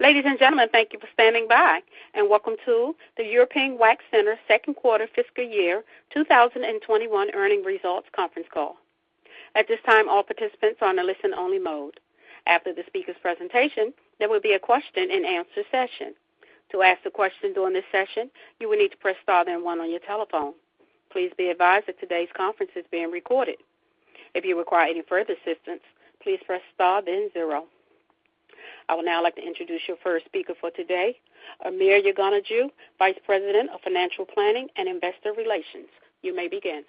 Ladies and gentlemen, thank you for standing by, and welcome to the European Wax Center second quarter fiscal year 2021 earnings results conference call. At this time all participants are on a listen only mode. After the speakers presentation, there will be a question and answer session. To ask a question during the session, you will need to press star then, one on your telephone. Please be advised that today's conference is being recorded. If you require any further assistance, please press star, then zero. I would now like to introduce your first speaker for today, Amir Yeganehjoo, Vice President of Financial Planning and Investor Relations. You may begin.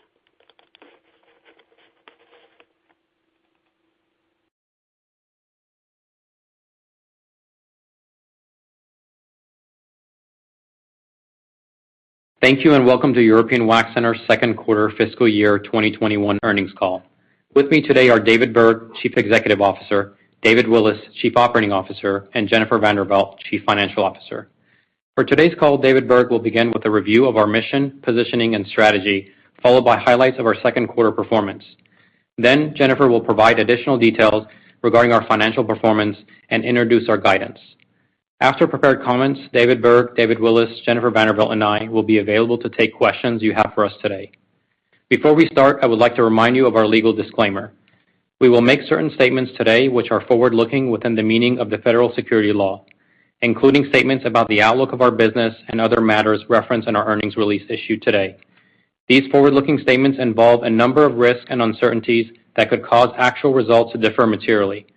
Thank you and welcome to European Wax Center second quarter fiscal year 2021 earnings call. With me today are David Berg, Chief Executive Officer, David Willis, Chief Operating Officer, and Jennifer Vanderveldt, Chief Financial Officer. For today's call, David Berg will begin with a review of our mission, positioning, and strategy, followed by highlights of our second quarter performance. Jennifer will provide additional details regarding our financial performance and introduce our guidance. After prepared comments, David Berg, David Willis, Jennifer Vanderveldt, and I will be available to take questions you have for us today. Before we start, I would like to remind you of our legal disclaimer. We will make certain statements today which are forward-looking within the meaning of the Federal Securities Laws, including statements about the outlook of our business and other matters referenced in our earnings release issued today. These forward-looking statements involve a number of risks and uncertainties that could cause actual results to differ materially.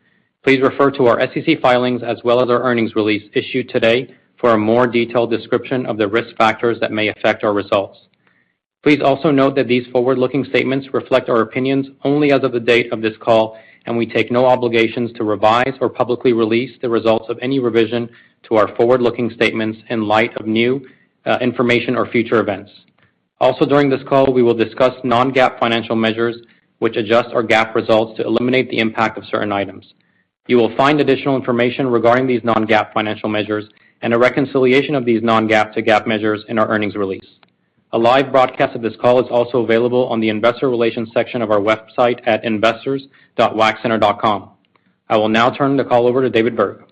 Please refer to our SEC filings as well as our earnings release issued today for a more detailed description of the risk factors that may affect our results. Please also note that these forward-looking statements reflect our opinions only as of the date of this call, and we take no obligations to revise or publicly release the results of any revision to our forward-looking statements in light of new information or future events. Also during this call, we will discuss non-GAAP financial measures which adjust our GAAP results to eliminate the impact of certain items. You will find additional information regarding these non-GAAP financial measures and a reconciliation of these non-GAAP to GAAP measures in our earnings release. A live broadcast of this call is also available on the investor relations section of our website at investors.waxcenter.com. I will now turn the call over to David Berg.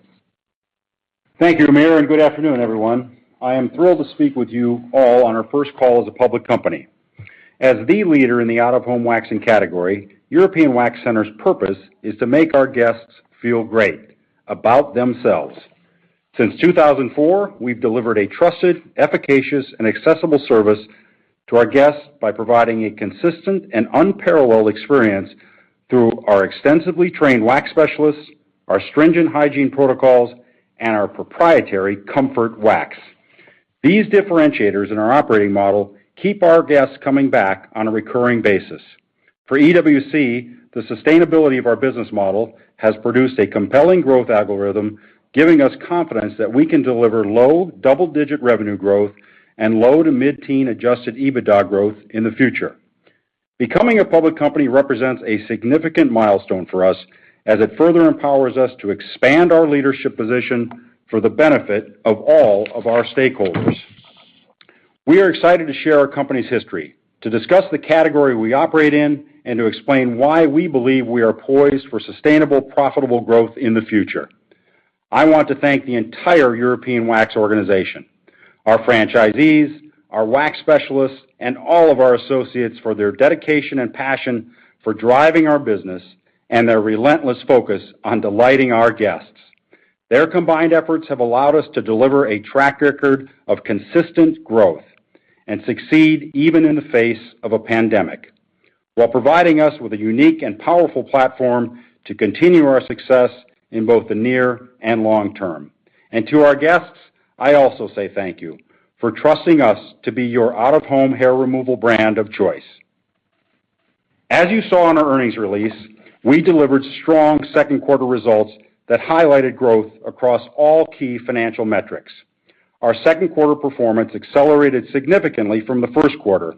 Thank you, Amir. Good afternoon, everyone. I am thrilled to speak with you all on our first call as a public company. As the leader in the out-of-home waxing category, European Wax Center's purpose is to make our guests feel great about themselves. Since 2004, we've delivered a trusted, efficacious, and accessible service to our guests by providing a consistent and unparalleled experience through our extensively trained wax specialists, our stringent hygiene protocols, and our proprietary Comfort Wax. These differentiators in our operating model keep our guests coming back on a recurring basis. For EWC, the sustainability of our business model has produced a compelling growth algorithm, giving us confidence that we can deliver low double-digit revenue growth and low to mid-teen adjusted EBITDA growth in the future. Becoming a public company represents a significant milestone for us as it further empowers us to expand our leadership position for the benefit of all of our stakeholders. We are excited to share our company's history, to discuss the category we operate in, and to explain why we believe we are poised for sustainable, profitable growth in the future. I want to thank the entire European Wax Center, our franchisees, our wax specialists, and all of our associates for their dedication and passion for driving our business and their relentless focus on delighting our guests. Their combined efforts have allowed us to deliver a track record of consistent growth and succeed even in the face of a pandemic while providing us with a unique and powerful platform to continue our success in both the near and long term. To our guests, I also say thank you for trusting us to be your out-of-home hair removal brand of choice. As you saw in our earnings release, we delivered strong second quarter results that highlighted growth across all key financial metrics. Our second quarter performance accelerated significantly from the first quarter,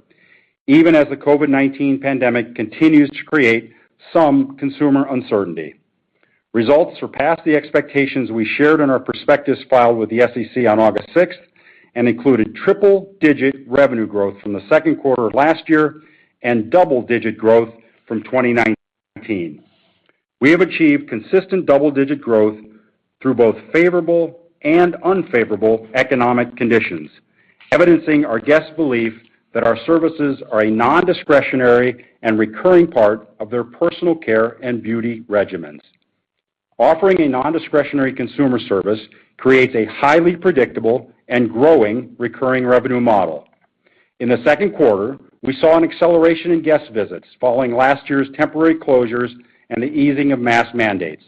even as the COVID-19 pandemic continues to create some consumer uncertainty. Results surpassed the expectations we shared in our prospectus filed with the SEC on August 6th and included triple-digit revenue growth from the second quarter of last year and double-digit growth from 2019. We have achieved consistent double-digit growth through both favorable and unfavorable economic conditions, evidencing our guests' belief that our services are a non-discretionary and recurring part of their personal care and beauty regimens. Offering a non-discretionary consumer service creates a highly predictable and growing recurring revenue model. In the second quarter, we saw an acceleration in guest visits following last year's temporary closures and the easing of mask mandates,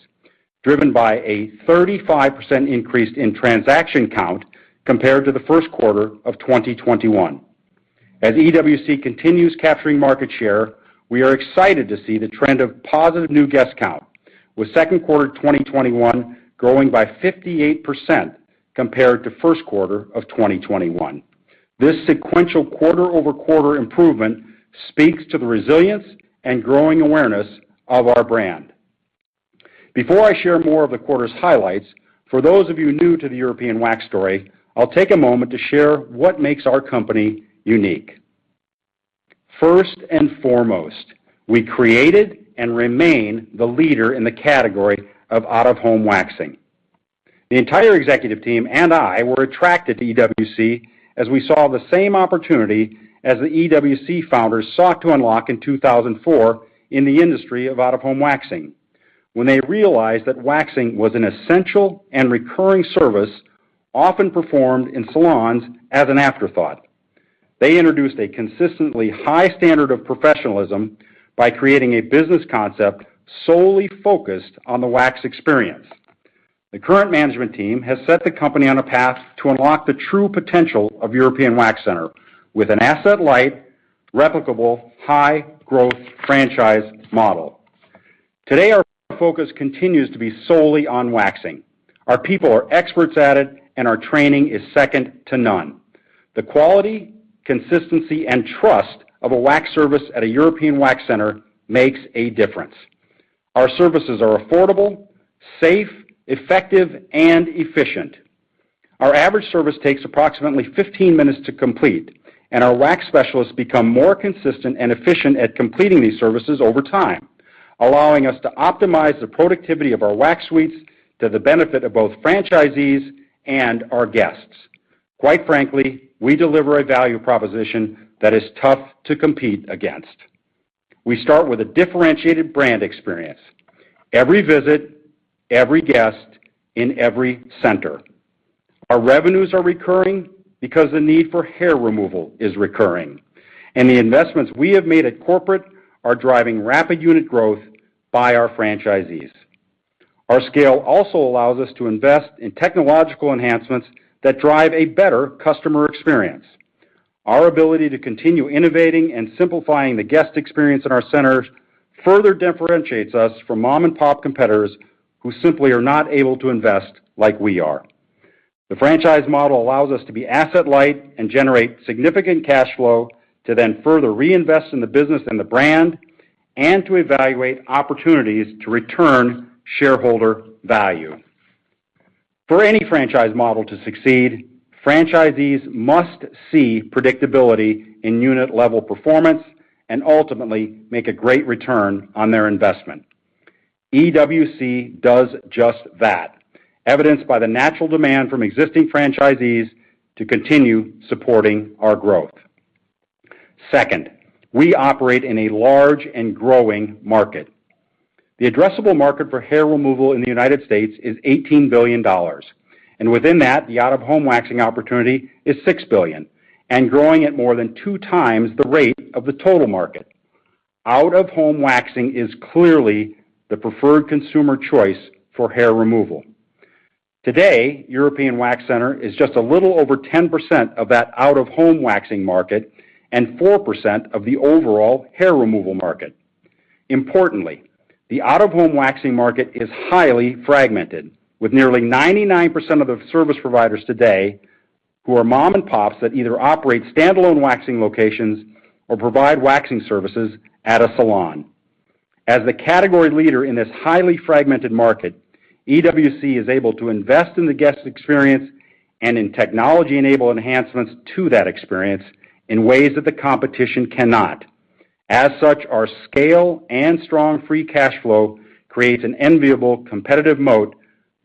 driven by a 35% increase in transaction count compared to the first quarter of 2021. As EWC continues capturing market share, we are excited to see the trend of positive new guest count, with second quarter 2021 growing by 58% compared to first quarter of 2021. This sequential quarter-over-quarter improvement speaks to the resilience and growing awareness of our brand. Before I share more of the quarter's highlights, for those of you new to the European Wax story, I'll take a moment to share what makes our company unique. First and foremost, we created and remain the leader in the category of out-of-home waxing. The entire executive team and I were attracted to EWC as we saw the same opportunity as the EWC founders sought to unlock in 2004 in the industry of out-of-home waxing. When they realized that waxing was an essential and recurring service, often performed in salons as an afterthought. They introduced a consistently high standard of professionalism by creating a business concept solely focused on the wax experience. The current management team has set the company on a path to unlock the true potential of European Wax Center with an asset-light, replicable, high-growth franchise model. Today, our focus continues to be solely on waxing. Our people are experts at it, and our training is second to none. The quality, consistency, and trust of a wax service at a European Wax Center makes a difference. Our services are affordable, safe, effective, and efficient. Our average service takes approximately 15 minutes to complete, and our wax specialists become more consistent and efficient at completing these services over time, allowing us to optimize the productivity of our wax suites to the benefit of both franchisees and our guests. Quite frankly, we deliver a value proposition that is tough to compete against. We start with a differentiated brand experience, every visit, every guest in every center. Our revenues are recurring because the need for hair removal is recurring, and the investments we have made at corporate are driving rapid unit growth by our franchisees. Our scale also allows us to invest in technological enhancements that drive a better customer experience. Our ability to continue innovating and simplifying the guest experience in our centers further differentiates us from mom-and-pop competitors who simply are not able to invest like we are. The franchise model allows us to be asset light and generate significant cash flow to then further reinvest in the business and the brand, and to evaluate opportunities to return shareholder value. For any franchise model to succeed, franchisees must see predictability in unit-level performance and ultimately make a great return on their investment. EWC does just that, evidenced by the natural demand from existing franchisees to continue supporting our growth. Second, we operate in a large and growing market. The addressable market for hair removal in the United States is $18 billion, and within that, the out-of-home waxing opportunity is $6 billion and growing at more than two times the rate of the total market. Out-of-home waxing is clearly the preferred consumer choice for hair removal. Today, European Wax Center is just a little over 10% of that out-of-home waxing market and 4% of the overall hair removal market. Importantly, the out-of-home waxing market is highly fragmented, with nearly 99% of the service providers today who are mom-and-pops that either operate standalone waxing locations or provide waxing services at a salon. As the category leader in this highly fragmented market, EWC is able to invest in the guest experience and in technology-enabled enhancements to that experience in ways that the competition cannot. As such, our scale and strong free cash flow creates an enviable competitive moat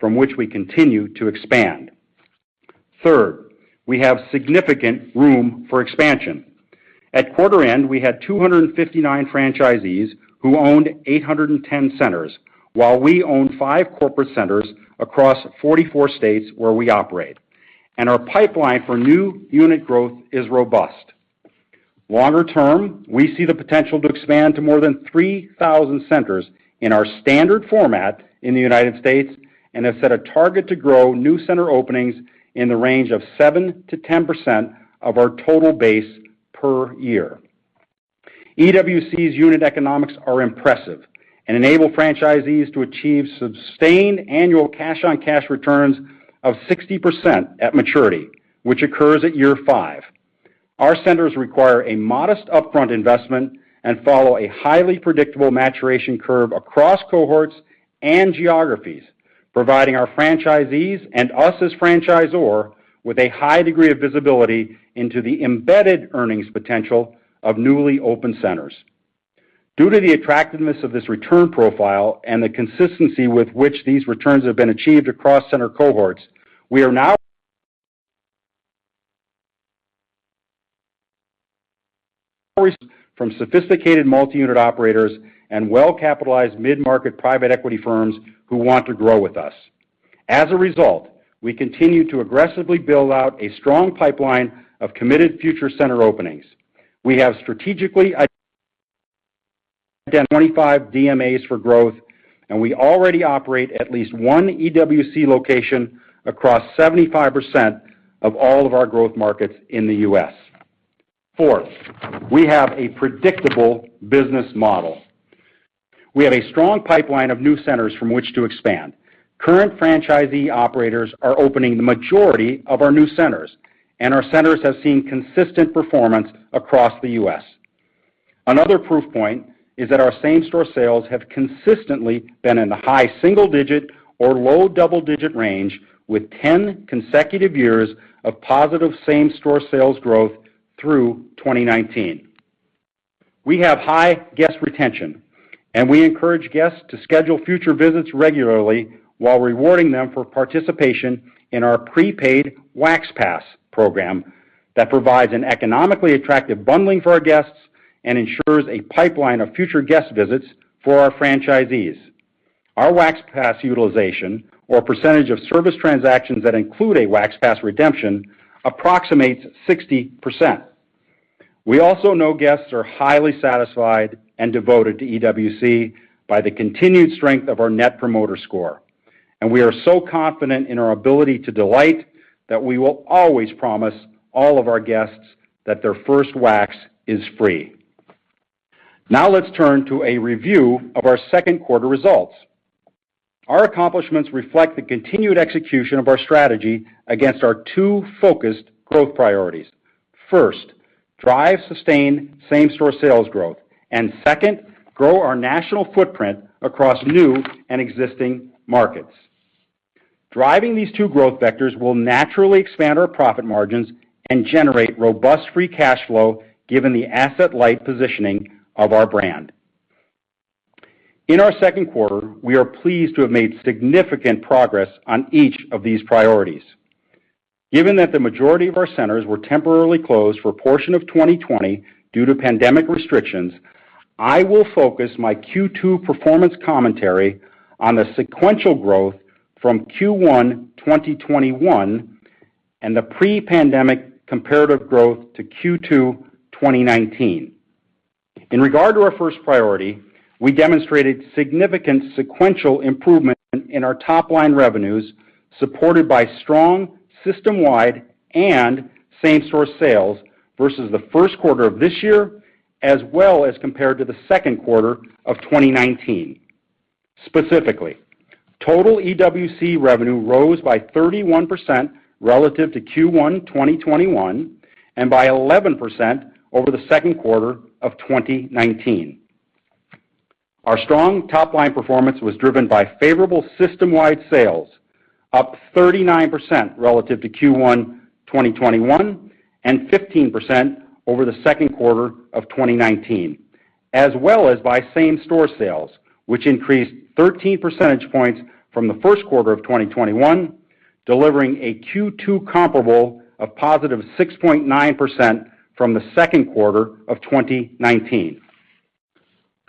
from which we continue to expand. Third, we have significant room for expansion. At quarter end, we had 259 franchisees who owned 810 centers, while we owned five corporate centers across 44 states where we operate. Our pipeline for new unit growth is robust. Longer term, we see the potential to expand to more than 3,000 centers in our standard format in the U.S. and have set a target to grow new center openings in the range of 7%-10% of our total base per year. EWC's unit economics are impressive and enable franchisees to achieve sustained annual cash-on-cash returns of 60% at maturity, which occurs at year 5. Our centers require a modest upfront investment and follow a highly predictable maturation curve across cohorts and geographies, providing our franchisees and us as franchisor with a high degree of visibility into the embedded earnings potential of newly opened centers. Due to the attractiveness of this return profile and the consistency with which these returns have been achieved across center cohorts, we are now from sophisticated multi-unit operators and well-capitalized mid-market private equity firms who want to grow with us. As a result, we continue to aggressively build out a strong pipeline of committed future center openings. We have strategically identified DMAs for growth, and we already operate at least one EWC location across 75% of all of our growth markets in the U.S. Fourth, we have a predictable business model. We have a strong pipeline of new centers from which to expand. Current franchisee operators are opening the majority of our new centers, and our centers have seen consistent performance across the U.S. Another proof point is that our same-store sales have consistently been in the high single-digit or low double-digit range, with 10 consecutive years of positive same-store sales growth through 2019. We have high guest retention, and we encourage guests to schedule future visits regularly while rewarding them for participation in our prepaid Wax Pass program that provides an economically attractive bundling for our guests and ensures a pipeline of future guest visits for our franchisees. Our Wax Pass utilization, or percentage of service transactions that include a Wax Pass redemption, approximates 60%. We also know guests are highly satisfied and devoted to EWC by the continued strength of our net promoter score, and we are so confident in our ability to delight that we will always promise all of our guests that their first wax is free. Let's turn to a review of our second quarter results. Our accomplishments reflect the continued execution of our strategy against our two focused growth priorities. First, drive sustained same-store sales growth, and second, grow our national footprint across new and existing markets. Driving these two growth vectors will naturally expand our profit margins and generate robust free cash flow given the asset-light positioning of our brand. In our second quarter, we are pleased to have made significant progress on each of these priorities. Given that the majority of our centers were temporarily closed for a portion of 2020 due to pandemic restrictions, I will focus my Q2 performance commentary on the sequential growth from Q1 2021 and the pre-pandemic comparative growth to Q2 2019. In regard to our first priority, we demonstrated significant sequential improvement in our top-line revenues, supported by strong system-wide and same-store sales versus the first quarter of this year, as well as compared to the second quarter of 2019. Specifically, total EWC revenue rose by 31% relative to Q1 2021, and by 11% over the second quarter of 2019. Our strong top-line performance was driven by favorable system-wide sales, up 39% relative to Q1 2021, and 15% over the second quarter of 2019, as well as by same-store sales, which increased 13 percentage points from the first quarter of 2021, delivering a Q2 comparable of positive 6.9% from the second quarter of 2019.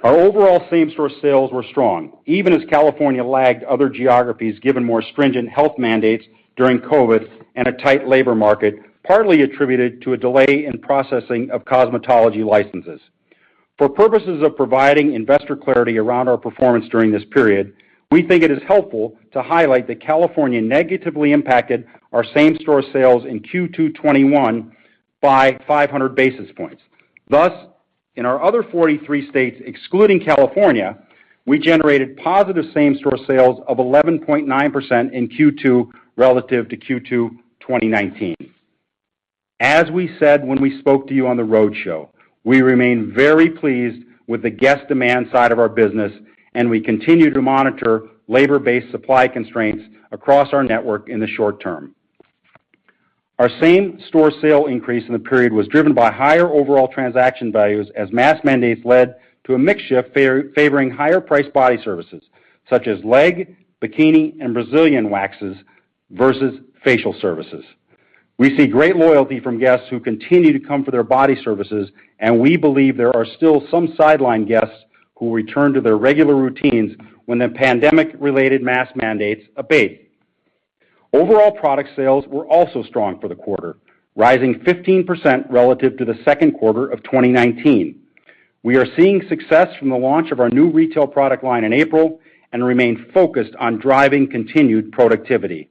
Our overall same-store sales were strong, even as California lagged other geographies given more stringent health mandates during COVID-19 and a tight labor market, partly attributed to a delay in processing of cosmetology licenses. For purposes of providing investor clarity around our performance during this period, we think it is helpful to highlight that California negatively impacted our same-store sales in Q2 2021 by 500 basis points. In our other 43 states, excluding California, we generated positive same-store sales of 11.9% in Q2 relative to Q2 2019. As we said when we spoke to you on the roadshow, we remain very pleased with the guest demand side of our business, and we continue to monitor labor-based supply constraints across our network in the short term. Our same-store sale increase in the period was driven by higher overall transaction values as mask mandates led to a mix shift favoring higher-priced body services, such as leg, bikini, and Brazilian waxes versus facial services. We see great loyalty from guests who continue to come for their body services, and we believe there are still some sidelined guests who return to their regular routines when the pandemic-related mask mandates abate. Overall product sales were also strong for the quarter, rising 15% relative to the second quarter of 2019. We are seeing success from the launch of our new retail product line in April and remain focused on driving continued productivity.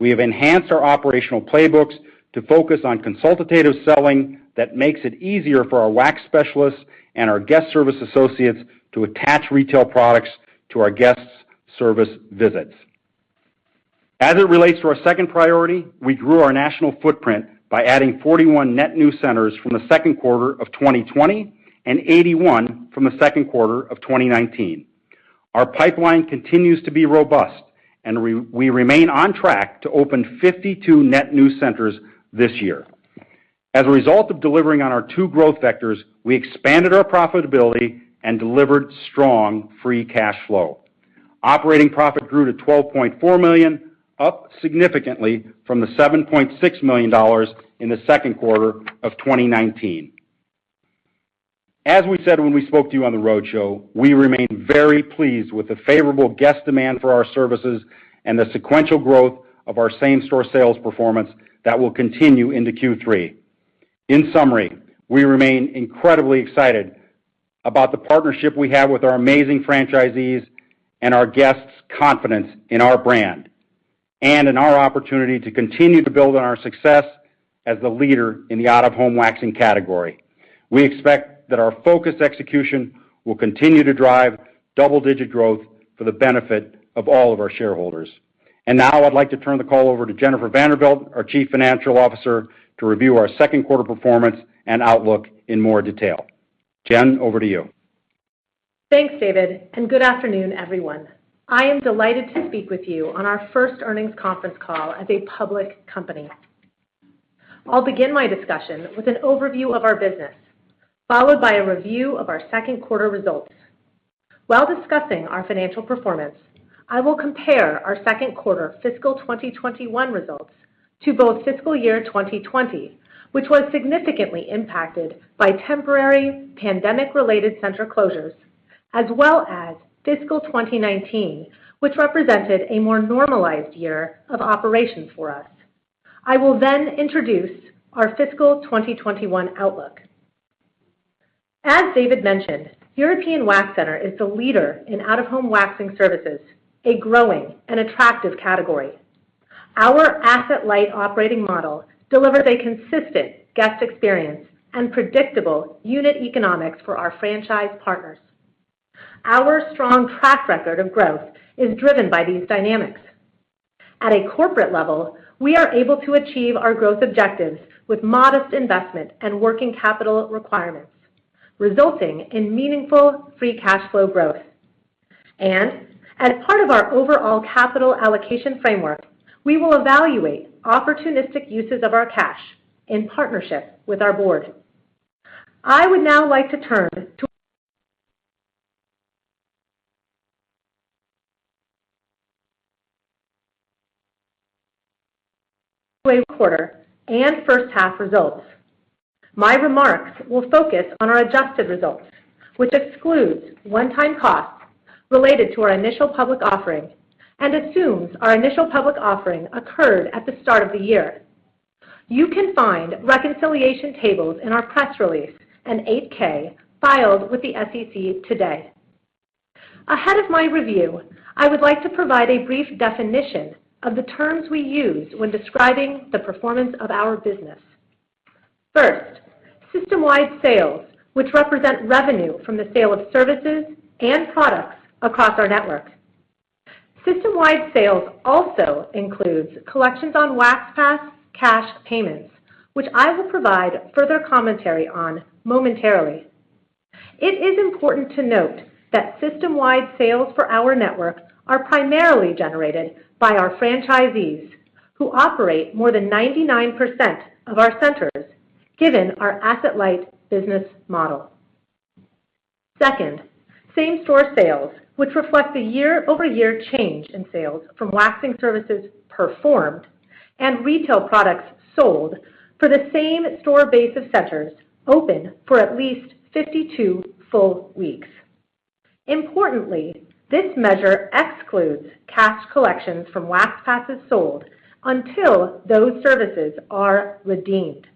We have enhanced our operational playbooks to focus on consultative selling that makes it easier for our wax specialists and our guest service associates to attach retail products to our guests' service visits. As it relates to our second priority, we grew our national footprint by adding 41 net new centers from the second quarter of 2020, and 81 from the second quarter of 2019. Our pipeline continues to be robust, and we remain on track to open 52 net new centers this year. As a result of delivering on our two growth vectors, we expanded our profitability and delivered strong free cash flow. Operating profit grew to $12.4 million, up significantly from the $7.6 million in the second quarter of 2019. As we said when we spoke to you on the roadshow, we remain very pleased with the favorable guest demand for our services and the sequential growth of our same-store sales performance that will continue into Q3. In summary, we remain incredibly excited about the partnership we have with our amazing franchisees and our guests' confidence in our brand, and in our opportunity to continue to build on our success as the leader in the out-of-home waxing category. We expect that our focused execution will continue to drive double-digit growth for the benefit of all of our shareholders. Now I'd like to turn the call over to Jennifer Vanderveldt, our Chief Financial Officer, to review our second quarter performance and outlook in more detail. Jen, over to you. Thanks, David, and good afternoon, everyone. I am delighted to speak with you on our first earnings conference call as a public company. I'll begin my discussion with an overview of our business, followed by a review of our second quarter results. While discussing our financial performance, I will compare our second quarter fiscal 2021 results to both fiscal year 2020, which was significantly impacted by temporary pandemic-related center closures, as well as fiscal 2019, which represented a more normalized year of operations for us. I will then introduce our fiscal 2021 outlook. As David mentioned, European Wax Center is the leader in out-of-home waxing services, a growing and attractive category. Our asset-light operating model delivers a consistent guest experience and predictable unit economics for our franchise partners. Our strong track record of growth is driven by these dynamics. At a corporate level, we are able to achieve our growth objectives with modest investment and working capital requirements, resulting in meaningful free cash flow growth. As part of our overall capital allocation framework, we will evaluate opportunistic uses of our cash in partnership with our board. I would now like to turn to quarter and first half results. My remarks will focus on our adjusted results, which excludes one-time costs related to our initial public offering and assumes our initial public offering occurred at the start of the year. You can find reconciliation tables in our press release and 8-K filed with the SEC today. Ahead of my review, I would like to provide a brief definition of the terms we use when describing the performance of our business. First, system-wide sales, which represent revenue from the sale of services and products across our network. System-wide sales also includes collections on Wax Pass cash payments, which I will provide further commentary on momentarily. It is important to note that system-wide sales for our network are primarily generated by our franchisees, who operate more than 99% of our centers, given our asset-light business model. Second, same-store sales, which reflect the year-over-year change in sales from waxing services performed and retail products sold for the same store base of centers open for at least 52 full weeks. Importantly, this measure excludes cash collections from Wax Passes sold until those services are redeemed.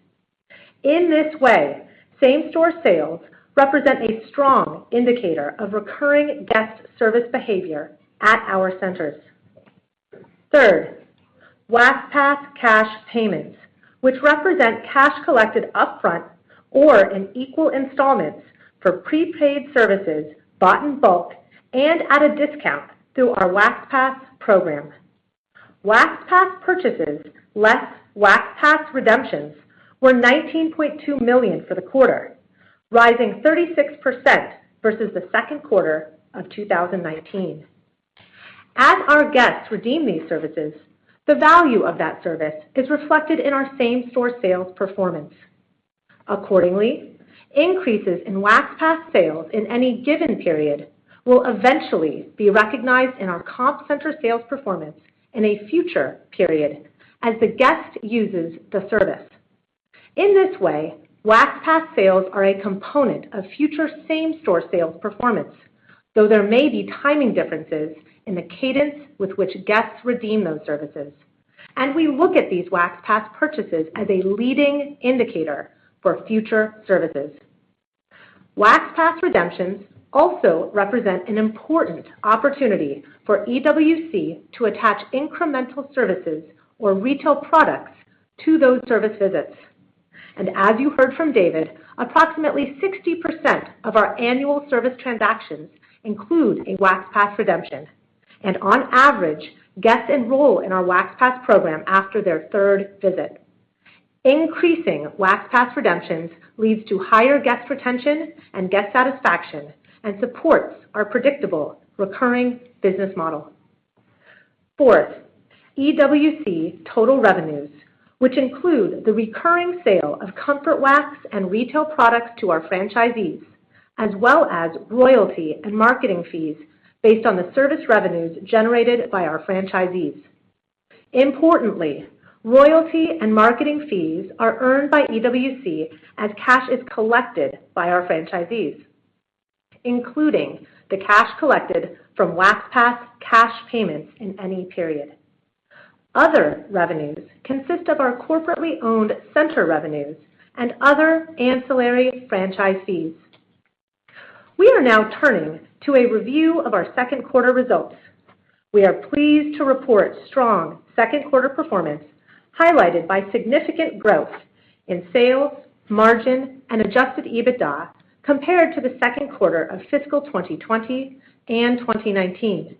In this way, same-store sales represent a strong indicator of recurring guest service behavior at our centers. Third, Wax Pass cash payments, which represent cash collected upfront or in equal installments for prepaid services bought in bulk and at a discount through our Wax Pass program. Wax Pass purchases less Wax Pass redemptions were $19.2 million for the quarter, rising 36% versus the second quarter of 2019. As our guests redeem these services, the value of that service is reflected in our same-store sales performance. Accordingly, increases in Wax Pass sales in any given period will eventually be recognized in our comp center sales performance in a future period as the guest uses the service. In this way, Wax Pass sales are a component of future same-store sales performance, though there may be timing differences in the cadence with which guests redeem those services, and we look at these Wax Pass purchases as a leading indicator for future services. Wax Pass redemptions also represent an important opportunity for EWC to attach incremental services or retail products to those service visits. As you heard from David, approximately 60% of our annual service transactions include a Wax Pass redemption, and on average, guests enroll in our Wax Pass program after their third visit. Increasing Wax Pass redemptions leads to higher guest retention and guest satisfaction and supports our predictable recurring business model. Fourth, EWC total revenues, which include the recurring sale of Comfort Wax and retail products to our franchisees, as well as royalty and marketing fees based on the service revenues generated by our franchisees. Importantly, royalty and marketing fees are earned by EWC as cash is collected by our franchisees, including the cash collected from Wax Pass cash payments in any period. Other revenues consist of our corporately owned center revenues and other ancillary franchise fees. We are now turning to a review of our second quarter results. We are pleased to report strong second quarter performance, highlighted by significant growth in sales, margin, and adjusted EBITDA compared to the second quarter of fiscal 2020 and 2019.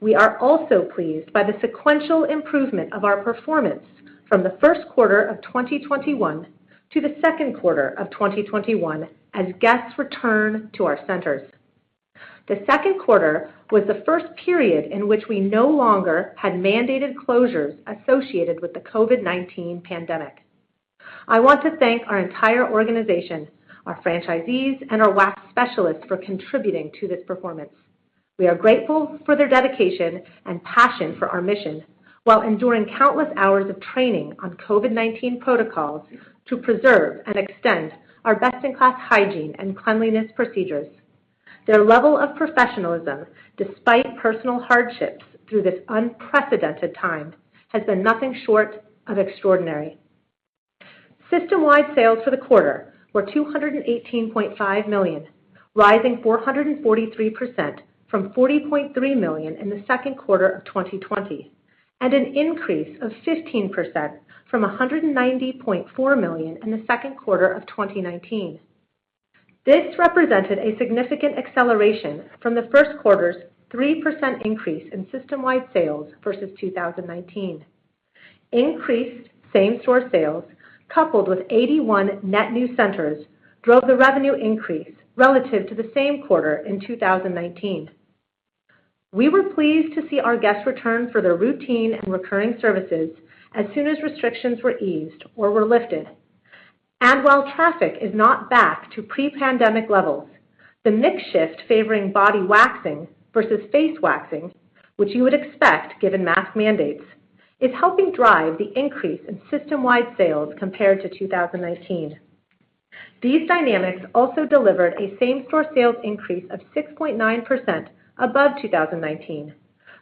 We are also pleased by the sequential improvement of our performance from the first quarter of 2021 to the second quarter of 2021, as guests return to our centers. The second quarter was the first period in which we no longer had mandated closures associated with the COVID-19 pandemic. I want to thank our entire organization, our franchisees, and our wax specialists for contributing to this performance. We are grateful for their dedication and passion for our mission while enduring countless hours of training on COVID-19 protocols to preserve and extend our best-in-class hygiene and cleanliness procedures. Their level of professionalism, despite personal hardships through this unprecedented time, has been nothing short of extraordinary. System-wide sales for the quarter were $218.5 million, rising 443% from $40.3 million in the second quarter of 2020, and an increase of 15% from $190.4 million in the second quarter of 2019. This represented a significant acceleration from the first quarter's 3% increase in system-wide sales versus 2019. Increased same-store sales, coupled with 81 net new centers, drove the revenue increase relative to the same quarter in 2019. We were pleased to see our guests return for their routine and recurring services as soon as restrictions were eased or were lifted. While traffic is not back to pre-pandemic levels, the mix shift favoring body waxing versus face waxing, which you would expect given mask mandates, is helping drive the increase in system-wide sales compared to 2019. These dynamics also delivered a same-store sales increase of 6.9% above 2019,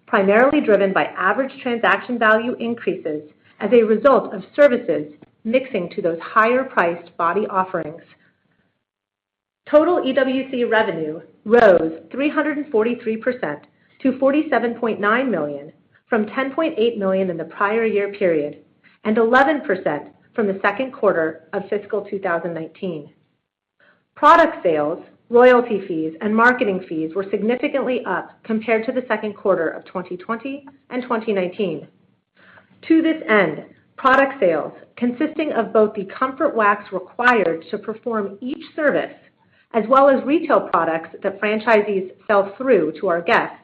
primarily driven by average transaction value increases as a result of services mixing to those higher-priced body offerings. Total EWC revenue rose 343% to $47.9 million from $10.8 million in the prior year period, and 11% from the second quarter of fiscal 2019. Product sales, royalty fees, and marketing fees were significantly up compared to the second quarter of 2020 and 2019. To this end, product sales, consisting of both the Comfort Wax required to perform each service, as well as retail products that franchisees sell through to our guests,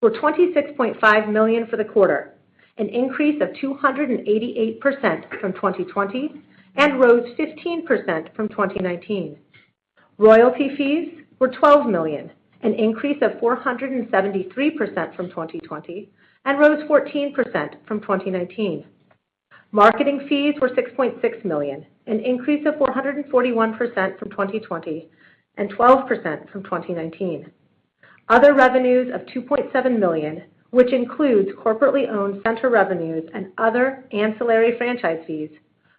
were $26.5 million for the quarter, an increase of 288% from 2020, and rose 15% from 2019. Royalty fees were $12 million, an increase of 473% from 2020, and rose 14% from 2019. Marketing fees were $6.6 million, an increase of 441% from 2020, and 12% from 2019. Other revenues of $2.7 million, which includes corporately owned center revenues and other ancillary franchise fees,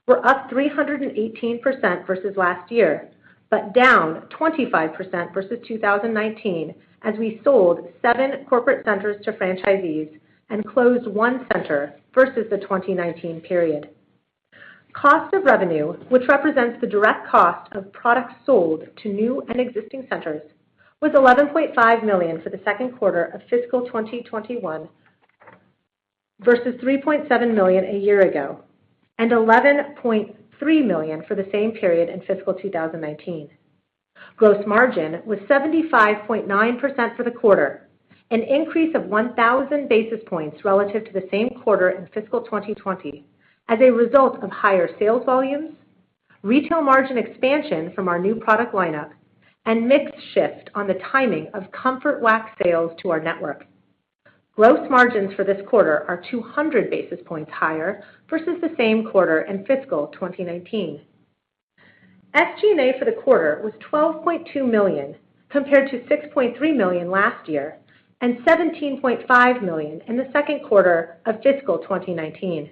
were up 318% versus last year, but down 25% versus 2019, as we sold seven corporate centers to franchisees and closed one center versus the 2019 period. Cost of revenue, which represents the direct cost of products sold to new and existing centers, was $11.5 million for the second quarter of fiscal 2021 versus $3.7 million a year ago, and $11.3 million for the same period in fiscal 2019. Gross margin was 75.9% for the quarter, an increase of 1,000 basis points relative to the same quarter in fiscal 2020, as a result of higher sales volumes, retail margin expansion from our new product lineup, and mix shift on the timing of Comfort Wax sales to our network. Gross margins for this quarter are 200 basis points higher versus the same quarter in fiscal 2019. SG&A for the quarter was $12.2 million, compared to $6.3 million last year, and $17.5 million in the second quarter of fiscal 2019.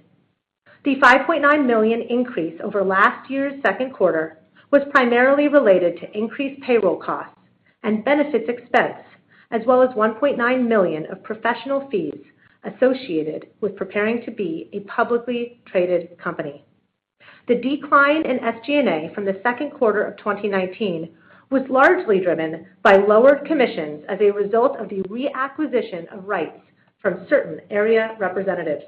The $5.9 million increase over last year's second quarter was primarily related to increased payroll costs and benefits expense, as well as $1.9 million of professional fees associated with preparing to be a publicly traded company. The decline in SG&A from the second quarter of 2019 was largely driven by lower commissions as a result of the reacquisition of rights from certain area representatives.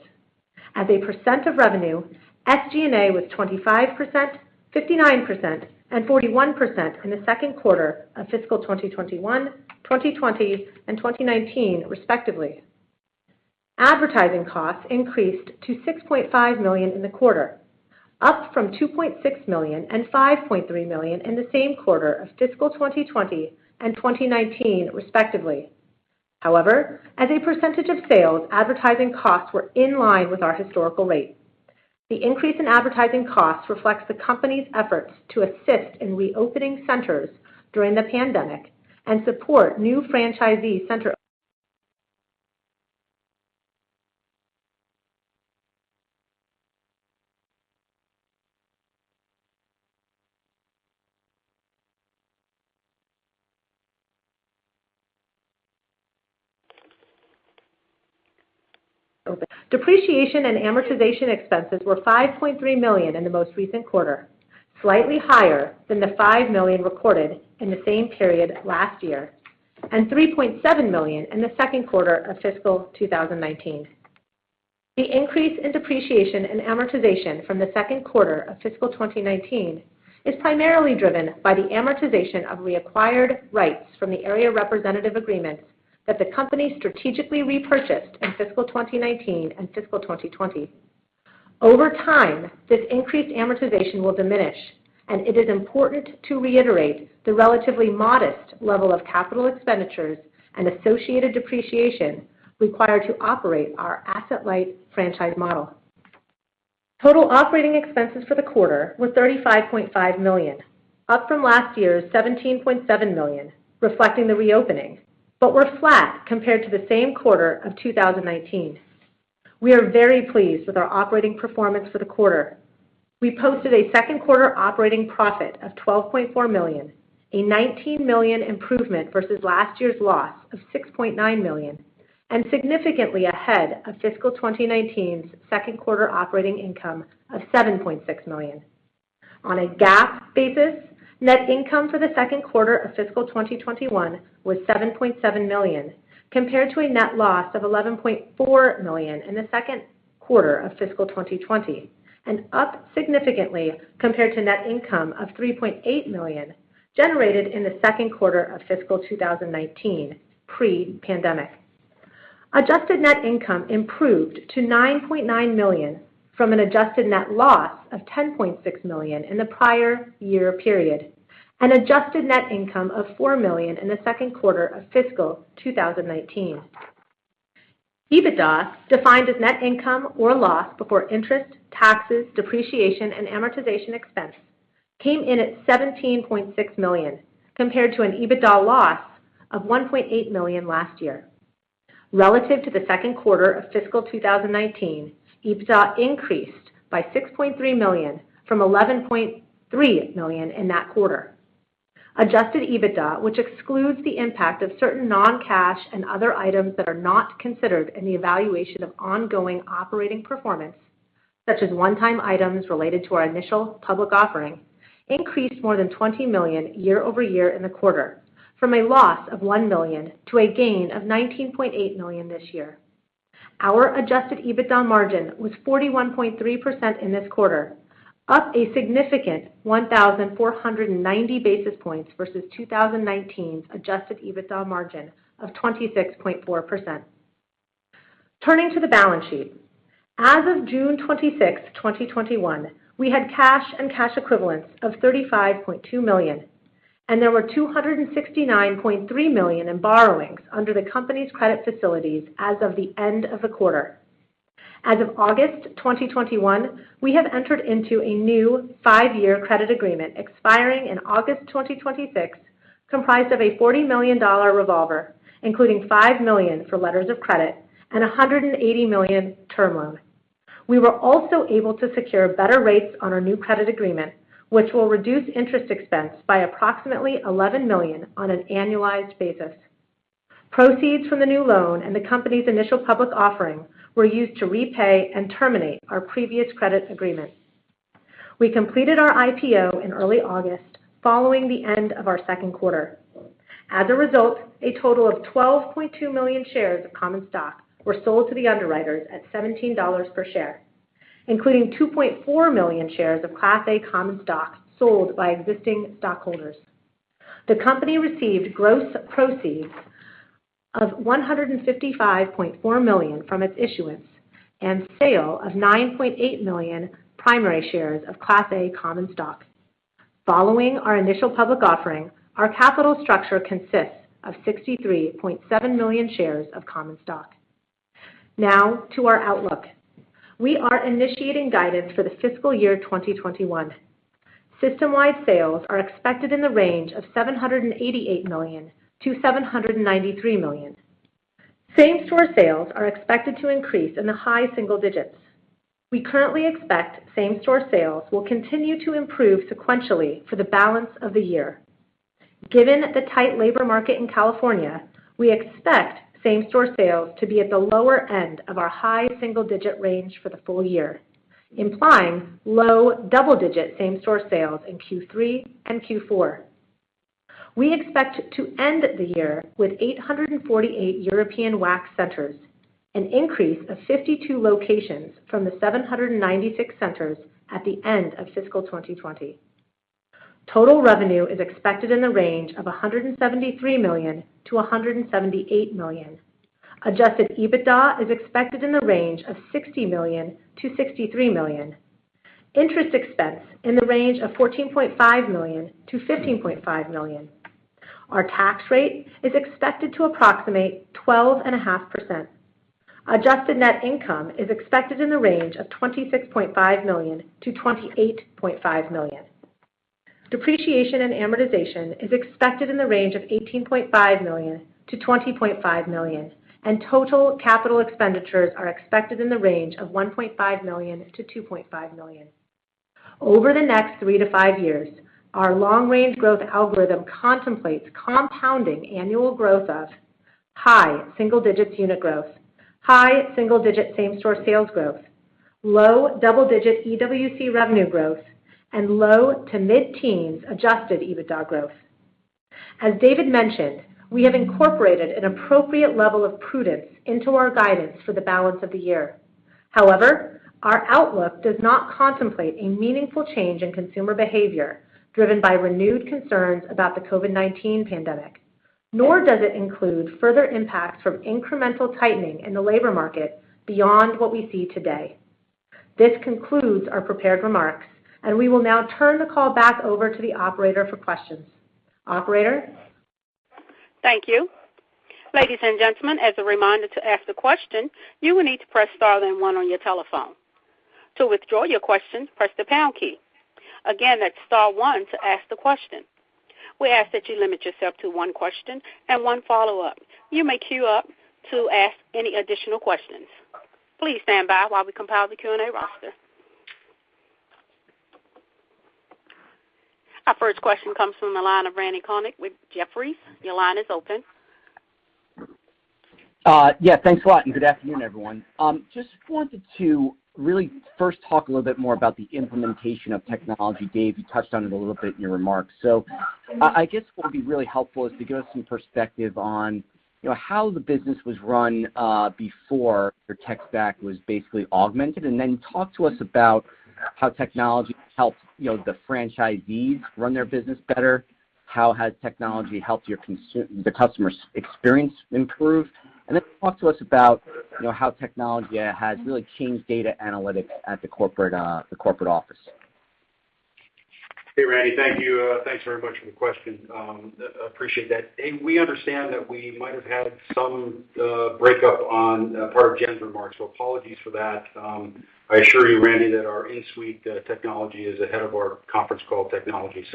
As a percent of revenue, SG&A was 25%, 59%, and 41% in the second quarter of fiscal 2021, 2020, and 2019, respectively. Advertising costs increased to $6.5 million in the quarter, up from $2.6 million and $5.3 million in the same quarter of fiscal 2020 and 2019, respectively. However, as a % of sales, advertising costs were in line with our historical rates. The increase in advertising costs reflects the company's efforts to assist in reopening centers during the pandemic and support new franchisee centers. Depreciation and amortization expenses were $5.3 million in the most recent quarter, slightly higher than the $5 million recorded in the same period last year, and $3.7 million in the second quarter of fiscal 2019. The increase in depreciation and amortization from the second quarter of fiscal 2019 is primarily driven by the amortization of reacquired rights from the area representative agreements that the company strategically repurchased in fiscal 2019 and fiscal 2020. Over time, this increased amortization will diminish, and it is important to reiterate the relatively modest level of capital expenditures and associated depreciation required to operate our asset-light franchise model. Total operating expenses for the quarter were $35.5 million, up from last year's $17.7 million, reflecting the reopening, but were flat compared to the same quarter of 2019. We are very pleased with our operating performance for the quarter. We posted a second quarter operating profit of $12.4 million, a $19 million improvement versus last year's loss of $6.9 million, and significantly ahead of fiscal 2019's second quarter operating income of $7.6 million. On a GAAP basis, net income for the second quarter of fiscal 2021 was $7.7 million, compared to a net loss of $11.4 million in the second quarter of fiscal 2020, and up significantly compared to net income of $3.8 million generated in the second quarter of fiscal 2019, pre-pandemic. Adjusted net income improved to $9.9 million from an adjusted net loss of $10.6 million in the prior year period and adjusted net income of $4 million in the second quarter of fiscal 2019. EBITDA, defined as net income or loss before interest, taxes, depreciation, and amortization expense, came in at $17.6 million, compared to an EBITDA loss of $1.8 million last year. Relative to the second quarter of fiscal 2019, EBITDA increased by $6.3 million from $11.3 million in that quarter. Adjusted EBITDA, which excludes the impact of certain non-cash and other items that are not considered in the evaluation of ongoing operating performance, such as one-time items related to our initial public offering, increased more than $20 million year-over-year in the quarter from a loss of $1 million to a gain of $19.8 million this year. Our Adjusted EBITDA margin was 41.3% in this quarter, up a significant 1,490 basis points versus 2019's Adjusted EBITDA margin of 26.4%. Turning to the balance sheet. As of June 26th, 2021, we had cash and cash equivalents of $35.2 million, and there were $269.3 million in borrowings under the company's credit facilities as of the end of the quarter. As of August 2021, we have entered into a new five-year credit agreement expiring in August 2026, comprised of a $40 million revolver, including $5 million for letters of credit and $180 million term loan. We were also able to secure better rates on our new credit agreement, which will reduce interest expense by approximately $11 million on an annualized basis. Proceeds from the new loan and the company's initial public offering were used to repay and terminate our previous credit agreement. We completed our IPO in early August following the end of our second quarter. As a result, a total of 12.2 million shares of common stock were sold to the underwriters at $17 per share, including 2.4 million shares of Class A common stock sold by existing stockholders. The company received gross proceeds of $155.4 million from its issuance and sale of 9.8 million primary shares of Class A common stock. Following our initial public offering, our capital structure consists of 63.7 million shares of common stock. Now to our outlook. We are initiating guidance for the fiscal year 2021. System-wide sales are expected in the range of $788 million-$793 million. Same-store sales are expected to increase in the high single digits. We currently expect same-store sales will continue to improve sequentially for the balance of the year. Given the tight labor market in California, we expect same-store sales to be at the lower end of our high single-digit range for the full year, implying low double-digit same-store sales in Q3 and Q4. We expect to end the year with 848 European Wax Centers, an increase of 52 locations from the 796 centers at the end of fiscal 2020. Total revenue is expected in the range of $173 million-$178 million. Adjusted EBITDA is expected in the range of $60 million-$63 million. Interest expense in the range of $14.5 million-$15.5 million. Our tax rate is expected to approximate 12.5%. Adjusted net income is expected in the range of $26.5 million-$28.5 million. Depreciation and amortization is expected in the range of $18.5 million-$20.5 million, and total capital expenditures are expected in the range of $1.5 million-$2.5 million. Over the next three to five years, our long-range growth algorithm contemplates compounding annual growth of high single-digits unit growth, high single-digit same-store sales growth, low double-digit EWC revenue growth, and low to mid-teens adjusted EBITDA growth. As David mentioned, we have incorporated an appropriate level of prudence into our guidance for the balance of the year. However, our outlook does not contemplate a meaningful change in consumer behavior driven by renewed concerns about the COVID-19 pandemic, nor does it include further impacts from incremental tightening in the labor market beyond what we see today. This concludes our prepared remarks, and we will now turn the call back over to the operator for questions. Operator? Thank you. Ladies and gentlemen, as a reminder, to ask the question, you will need to press star then one on your telephone. To withdraw your question, press the pound key. Again, that's star one to ask the question. We ask that you limit yourself to one question and one follow-up. You may queue up to ask any additional questions. Please stand by while we compile the Q&A roster. Our first question comes from the line of Randal Konik with Jefferies. Your line is open. Yeah. Thanks a lot, good afternoon, everyone. Just wanted to really first talk a little bit more about the implementation of technology. Dave, you touched on it a little bit in your remarks. I guess what would be really helpful is to give us some perspective on how the business was run before your tech stack was basically augmented, then talk to us about how technology helps the franchisees run their business better, how has technology helped the customer's experience improve? Then talk to us about how technology has really changed data analytics at the corporate office. Hey, Randy. Thank you. Thanks very much for the question. Appreciate that. We understand that we might have had some breakup on part of Jen's remarks, so apologies for that. I assure you, Randy, that our in-suite technology is ahead of our conference call technology.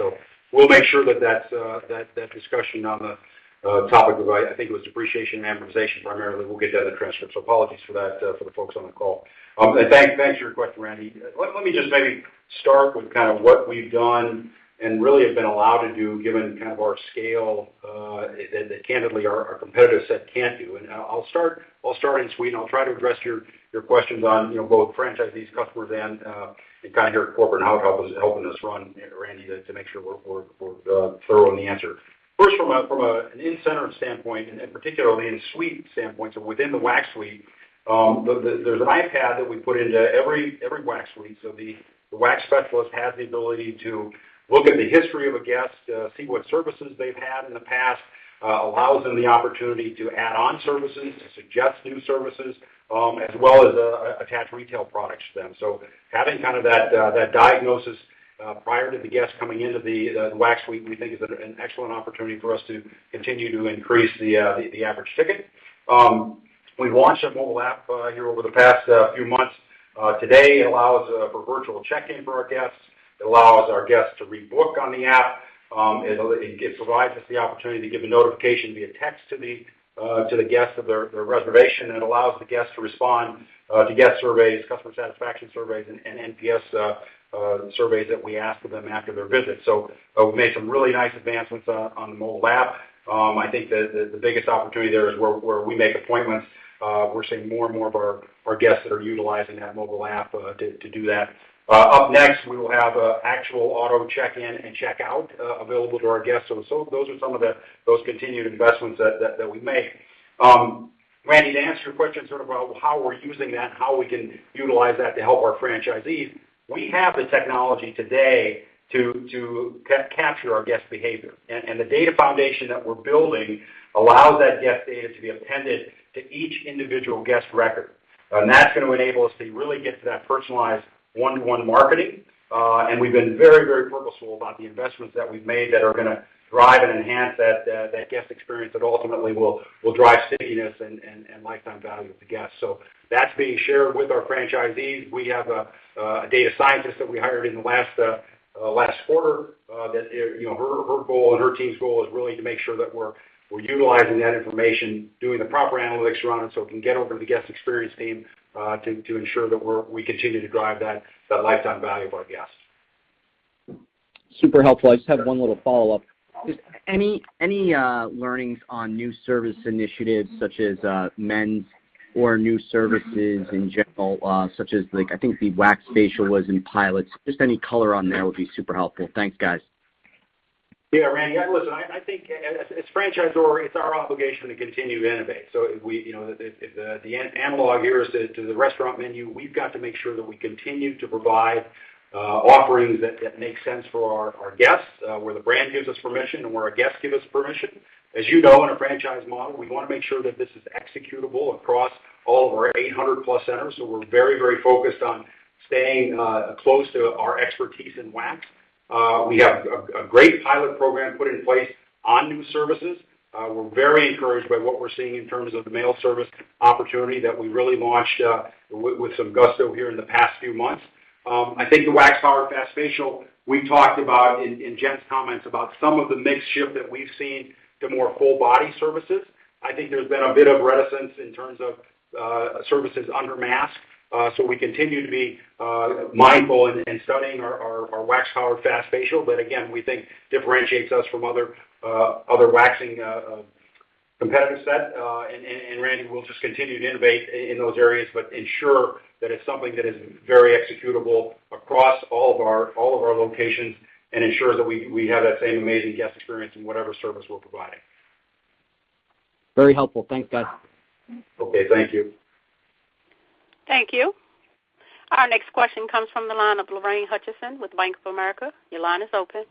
We'll make sure that discussion on the topic of, I think it was depreciation and amortization primarily, we'll get that in the transcript. Apologies for that for the folks on the call. Thanks for your question, Randy. Let me just maybe start with kind of what we've done and really have been allowed to do given kind of our scale, that candidly our competitor set can't do. I'll start in-suite, and I'll try to address your questions on both franchisees, customers, and kind of here at corporate and how it's helping us run, Randy, to make sure we're thorough in the answer. First, from an in-center standpoint and particularly in-suite standpoint, within the wax suite, there's an iPad that we put into every wax suite. The wax specialist has the ability to look at the history of a guest, see what services they've had in the past, allows them the opportunity to add on services, to suggest new services, as well as attach retail products to them. Having kind of that diagnosis prior to the guest coming into the wax suite, we think is an excellent opportunity for us to continue to increase the average ticket. We've launched a mobile app here over the past few months. Today, it allows for virtual check-in for our guests. It allows our guests to rebook on the app. It provides us the opportunity to give a notification via text to the guest of their reservation, and it allows the guest to respond to guest surveys, customer satisfaction surveys, and NPS surveys that we ask of them after their visit. We made some really nice advancements on the mobile app. I think the biggest opportunity there is where we make appointments. We're seeing more and more of our guests that are utilizing that mobile app to do that. Up next, we will have actual auto check-in and check-out available to our guests. Those are some of those continued investments that we make. Randy, to answer your question sort of about how we're using that and how we can utilize that to help our franchisees, we have the technology today to capture our guest behavior. The data foundation that we're building allows that guest data to be appended to each individual guest record. That's going to enable us to really get to that personalized one-to-one marketing. We've been very, very purposeful about the investments that we've made that are going to drive and enhance that guest experience that ultimately will drive stickiness and lifetime value of the guest. That's being shared with our franchisees. We have a data scientist that we hired in the last quarter. Her goal and her team's goal is really to make sure that we're utilizing that information, doing the proper analytics around it, so it can get over to the guest experience team, to ensure that we continue to drive that lifetime value of our guests. Super helpful. I just have one little follow-up. Just any learnings on new service initiatives such as men's or new services in general, such as, like, I think the Wax Facial was in pilots. Just any color on there would be super helpful. Thanks, guys. Yeah, Randal. Listen, I think as franchisor, it's our obligation to continue to innovate. If the analog here is to the restaurant menu, we've got to make sure that we continue to provide offerings that make sense for our guests, where the brand gives us permission and where our guests give us permission. As you know, in a franchise model, we want to make sure that this is executable across all of our 800+ centers. We're very, very focused on staying close to our expertise in wax. We have a great pilot program put in place on new services. We're very encouraged by what we're seeing in terms of the male service opportunity that we really launched with some gusto here in the past few months. I think the Wax-Powered Fast Facial, we talked about in Jen's comments about some of the mix shift that we've seen to more full-body services. I think there's been a bit of reticence in terms of services under mask. We continue to be mindful and studying our Wax-Powered Fast Facial, but again, we think differentiates us from other waxing competitive set. Randal, we'll just continue to innovate in those areas, but ensure that it's something that is very executable across all of our locations and ensure that we have that same amazing guest experience in whatever service we're providing. Very helpful. Thanks, guys. Okay, thank you. Thank you. Our next question comes from the line of Lorraine Hutchinson with Bank of America. Your line is open.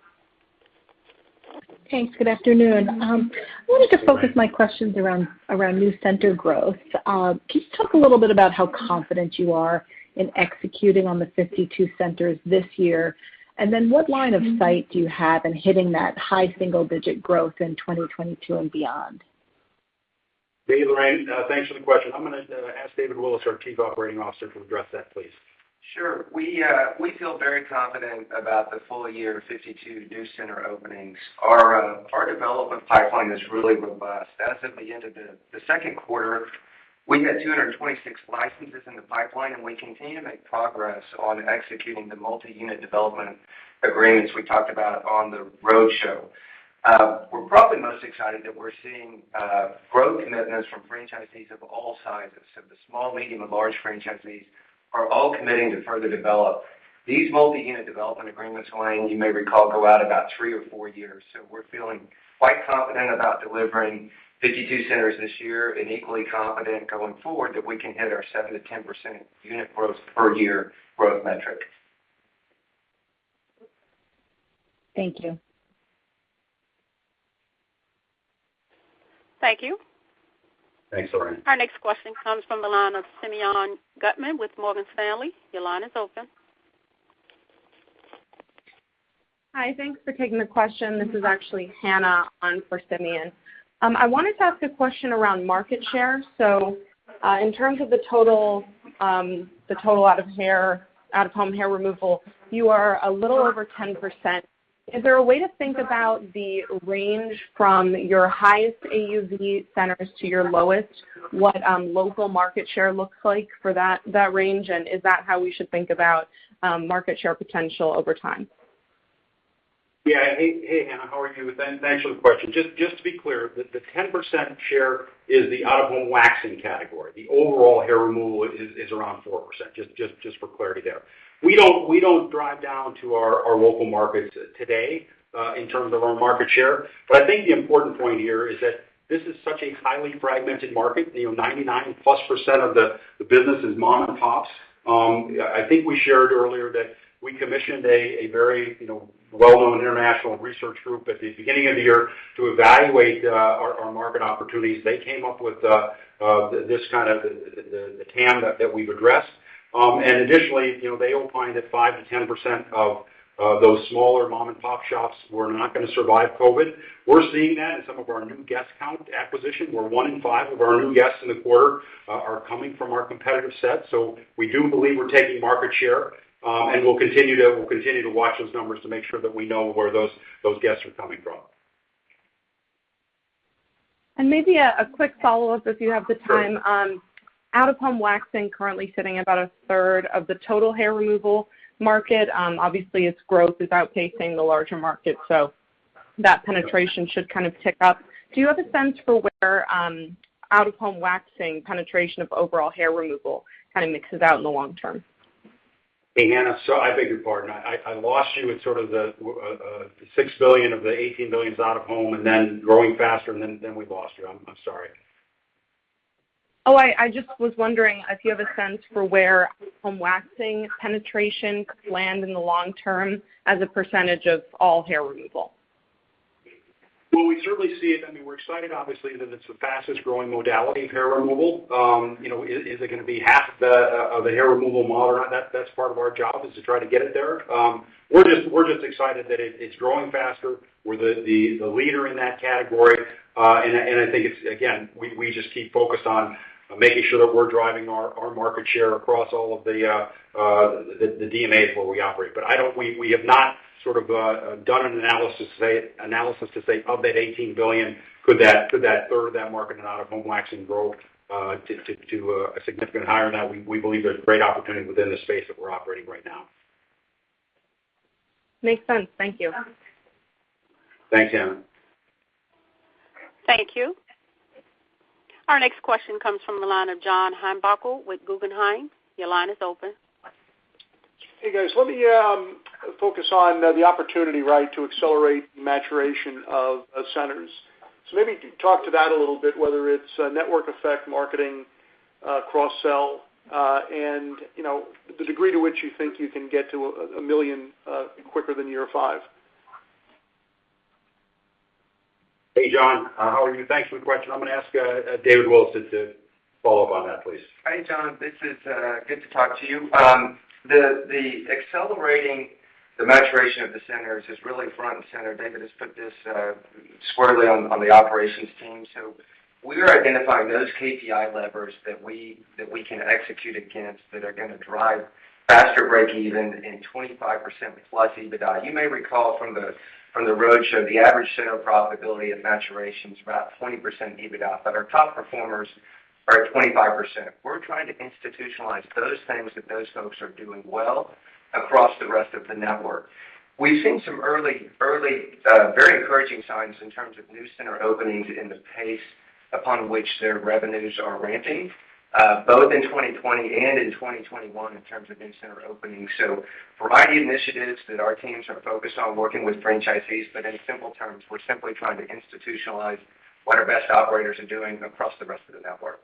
Thanks. Good afternoon. Good morning. I wanted to focus my questions around new center growth. Can you talk a little bit about how confident you are in executing on the 52 centers this year? What line of sight do you have in hitting that high single-digit growth in 2022 and beyond? Hey, Lorraine. Thanks for the question. I'm going to ask David Willis, our Chief Operating Officer, to address that, please. Sure. We feel very confident about the full year 52 new center openings. Our development pipeline is really robust. As of the end of the second quarter, we had 226 licenses in the pipeline, and we continue to make progress on executing the multi-unit development agreements we talked about on the roadshow. We're probably most excited that we're seeing growth commitments from franchisees of all sizes. The small, medium, and large franchisees are all committing to further develop. These multi-unit development agreements, Lorraine, you may recall, go out about three or four years. We're feeling quite confident about delivering 52 centers this year and equally confident going forward that we can hit our 7%-10% unit growth per year growth metric. Thank you. Thank you. Thanks, Lorraine. Our next question comes from the line of Simeon Gutman with Morgan Stanley. Your line is open. Hi, thanks for taking the question. This is actually Hannah on for Simeon. I wanted to ask a question around market share. In terms of the total out-of-home hair removal, you are a little over 10%. Is there a way to think about the range from your highest AUV centers to your lowest, what local market share looks like for that range? Is that how we should think about market share potential over time? Yeah. Hey, Hannah, how are you? Thanks for the question. Just to be clear, the 10% share is the out-of-home waxing category. The overall hair removal is around 4%, just for clarity there. We don't drive down to our local markets today in terms of our market share. I think the important point here is that this is such a highly fragmented market. 99%+ of the business is mom-and-pops. I think we shared earlier that we commissioned a very well-known international research group at the beginning of the year to evaluate our market opportunities. They came up with the TAM that we've addressed. Additionally, they opined that 5%-10% of those smaller mom-and-pop shops were not going to survive COVID-19. We're seeing that in some of our new guest count acquisition, where one in five of our new guests in the quarter are coming from our competitive set. We do believe we're taking market share, and we'll continue to watch those numbers to make sure that we know where those guests are coming from. Maybe a quick follow-up if you have the time. Sure. Out-of-home waxing currently sitting about a third of the total hair removal market. Obviously, its growth is outpacing the larger market, so that penetration should kind of tick up. Do you have a sense for where out-of-home waxing penetration of overall hair removal kind of mixes out in the long term? Hey, Hannah, I beg your pardon. I lost you at sort of the $6 billion of the $18 billion out-of-home and then growing faster and then we lost you. I'm sorry. Oh, I just was wondering if you have a sense for where out-of-home waxing penetration could land in the long term as a percentage of all hair removal? We certainly see it. I mean, we're excited, obviously, that it's the fastest-growing modality in hair removal. Is it going to be half of the hair removal model? That's part of our job is to try to get it there. We're just excited that it's growing faster. We're the leader in that category. I think, again, we just keep focused on making sure that we're driving our market share across all of the DMA where we operate. We have not sort of done an analysis to say, of that $18 billion, could that 1/3 of that market in out-of-home waxing grow to a significant higher? No, we believe there's great opportunity within the space that we're operating right now. Makes sense. Thank you. Thanks, Hannah. Thank you. Our next question comes from the line of John Heinbockel with Guggenheim. Your line is open. Hey, guys. Let me focus on the opportunity, right, to accelerate maturation of centers. Maybe talk to that a little bit, whether it's network effect marketing, cross-sell, and the degree to which you think you can get to $1 million quicker than year five. Hey, John. How are you? Thanks for the question. I'm going to ask David Willis to follow up on that, please. Hey, John. Good to talk to you. The accelerating the maturation of the centers is really front and center. David has put this squarely on the operations team. We are identifying those KPI levers that we can execute against that are going to drive faster breakeven and 25%+ EBITDA. You may recall from the roadshow, the average center profitability at maturation is about 20% EBITDA, but our top performers are at 25%. We're trying to institutionalize those things that those folks are doing well across the rest of the network. We've seen some early, very encouraging signs in terms of new center openings and the pace upon which their revenues are ramping, both in 2020 and in 2021 in terms of new center openings. A variety of initiatives that our teams are focused on working with franchisees. In simple terms, we're simply trying to institutionalize what our best operators are doing across the rest of the network.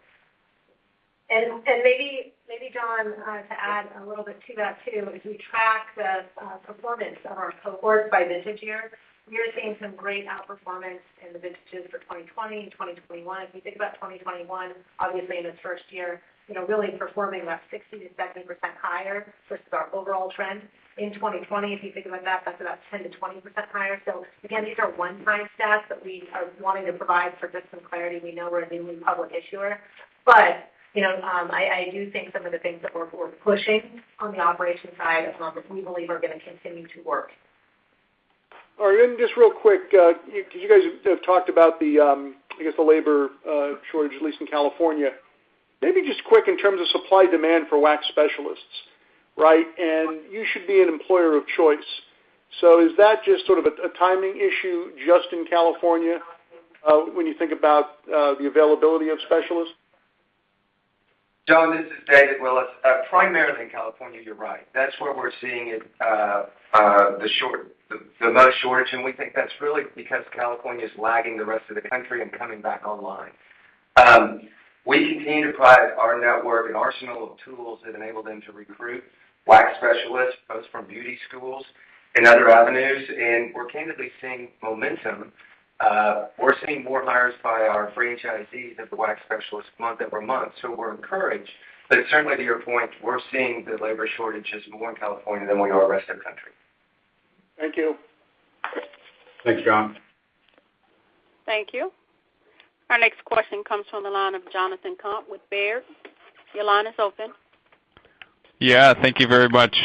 Maybe, John, to add a little bit to that, too. As we track the performance of our cohorts by vintage year, we are seeing some great outperformance in the vintages for 2020, 2021. If you think about 2021, obviously in its first year, really performing about 60%-70% higher versus our overall trend. In 2020, if you think about that's about 10%-20% higher. Again, these are one-time stats that we are wanting to provide for just some clarity. We know we're a newly public issuer, I do think some of the things that we're pushing on the operations side we believe are going to continue to work. All right. Just real quick, because you guys have talked about the labor shortage, at least in California. Maybe just quick in terms of supply-demand for wax specialists, right? You should be an employer of choice. Is that just sort of a timing issue just in California when you think about the availability of specialists? John, this is David Willis. Primarily in California, you're right. That's where we're seeing the most shortage, we think that's really because California's lagging the rest of the country in coming back online. We continue to provide our network an arsenal of tools that enable them to recruit wax specialists, both from beauty schools and other avenues, we're candidly seeing momentum. We're seeing more hires by our franchisees of wax specialists month-over-month. We're encouraged. Certainly, to your point, we're seeing the labor shortages more in California than we are the rest of the country. Thank you. Thanks, John. Thank you. Our next question comes from the line of Jonathan Komp with Baird. Your line is open. Yeah, thank you very much.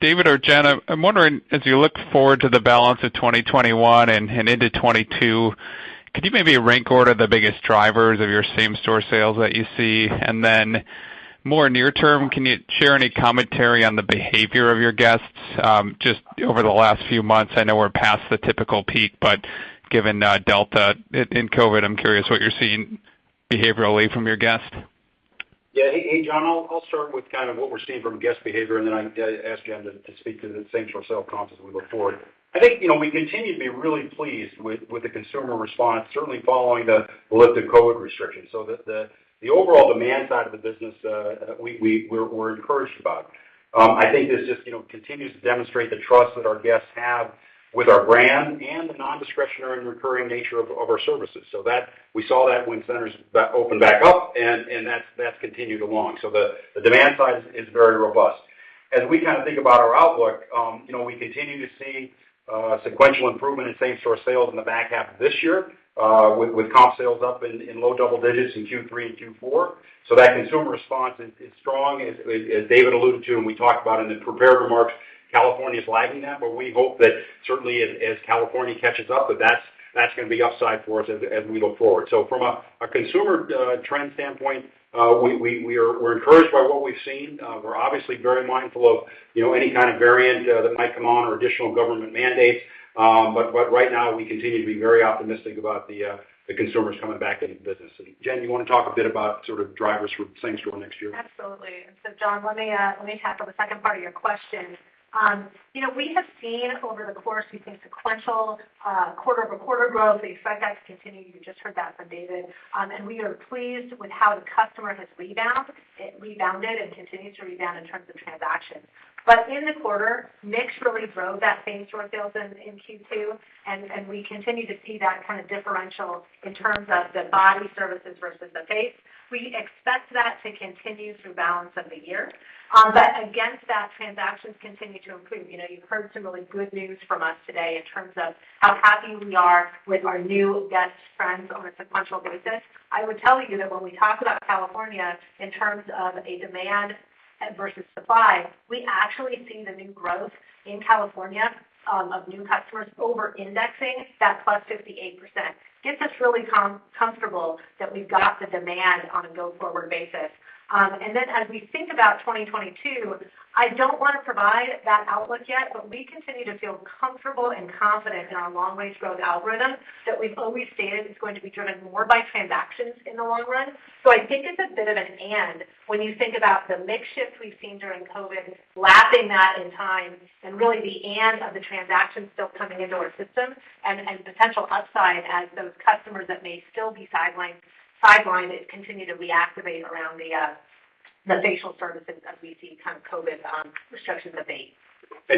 David or Jennifer, I'm wondering, as you look forward to the balance of 2021 and into 2022, could you maybe rank order the biggest drivers of your same-store sales that you see? Then more near term, can you share any commentary on the behavior of your guests just over the last few months? I know we're past the typical peak, but given Delta in COVID-19, I'm curious what you're seeing behaviorally from your guests. Yeah. Hey, John. I'll start with what we're seeing from guest behavior, and then I ask Jen to speak to the same-store sale comps as we look forward. I think we continue to be really pleased with the consumer response, certainly following the lifted COVID-19 restrictions. The overall demand side of the business, we're encouraged about. I think this just continues to demonstrate the trust that our guests have with our brand and the nondiscretionary and recurring nature of our services. We saw that when centers opened back up, and that's continued along. The demand side is very robust. As we think about our outlook, we continue to see sequential improvement in same-store sales in the back half of this year, with comp sales up in low double digits in Q3 and Q4. That consumer response is strong. As David alluded to, and we talked about in the prepared remarks, California's lagging that. We hope that certainly as California catches up, that that's going to be upside for us as we look forward. From a consumer trend standpoint, we're encouraged by what we've seen. We're obviously very mindful of any kind of variant that might come on or additional government mandates. Right now, we continue to be very optimistic about the consumers coming back into the business. Jen, you want to talk a bit about sort of drivers for same store next year? Absolutely. John, let me tackle the second part of your question. We have seen over the course, we think, sequential quarter-over-quarter growth. We expect that to continue. You just heard that from David. We are pleased with how the customer has rebounded and continues to rebound in terms of transactions. In the quarter, mix really drove that same-store sales in Q2, and we continue to see that kind of differential in terms of the body services versus the face. We expect that to continue through balance of the year. Against that, transactions continue to improve. You've heard some really good news from us today in terms of how happy we are with our new guest trends on a sequential basis. I would tell you that when we talk about California in terms of a demand versus supply, we actually see the new growth in California of new customers over-indexing that +58%. Gets us really comfortable that we've got the demand on a go-forward basis. As we think about 2022, I don't want to provide that outlook yet, but we continue to feel comfortable and confident in our long-range growth algorithm that we've always stated is going to be driven more by transactions in the long run. I think it's a bit of an and when you think about the mix shifts we've seen during COVID, lapping that in time, and really the and of the transactions still coming into our system and potential upside as those customers that may still be sidelined continue to reactivate around the facial services as we see COVID restrictions abate.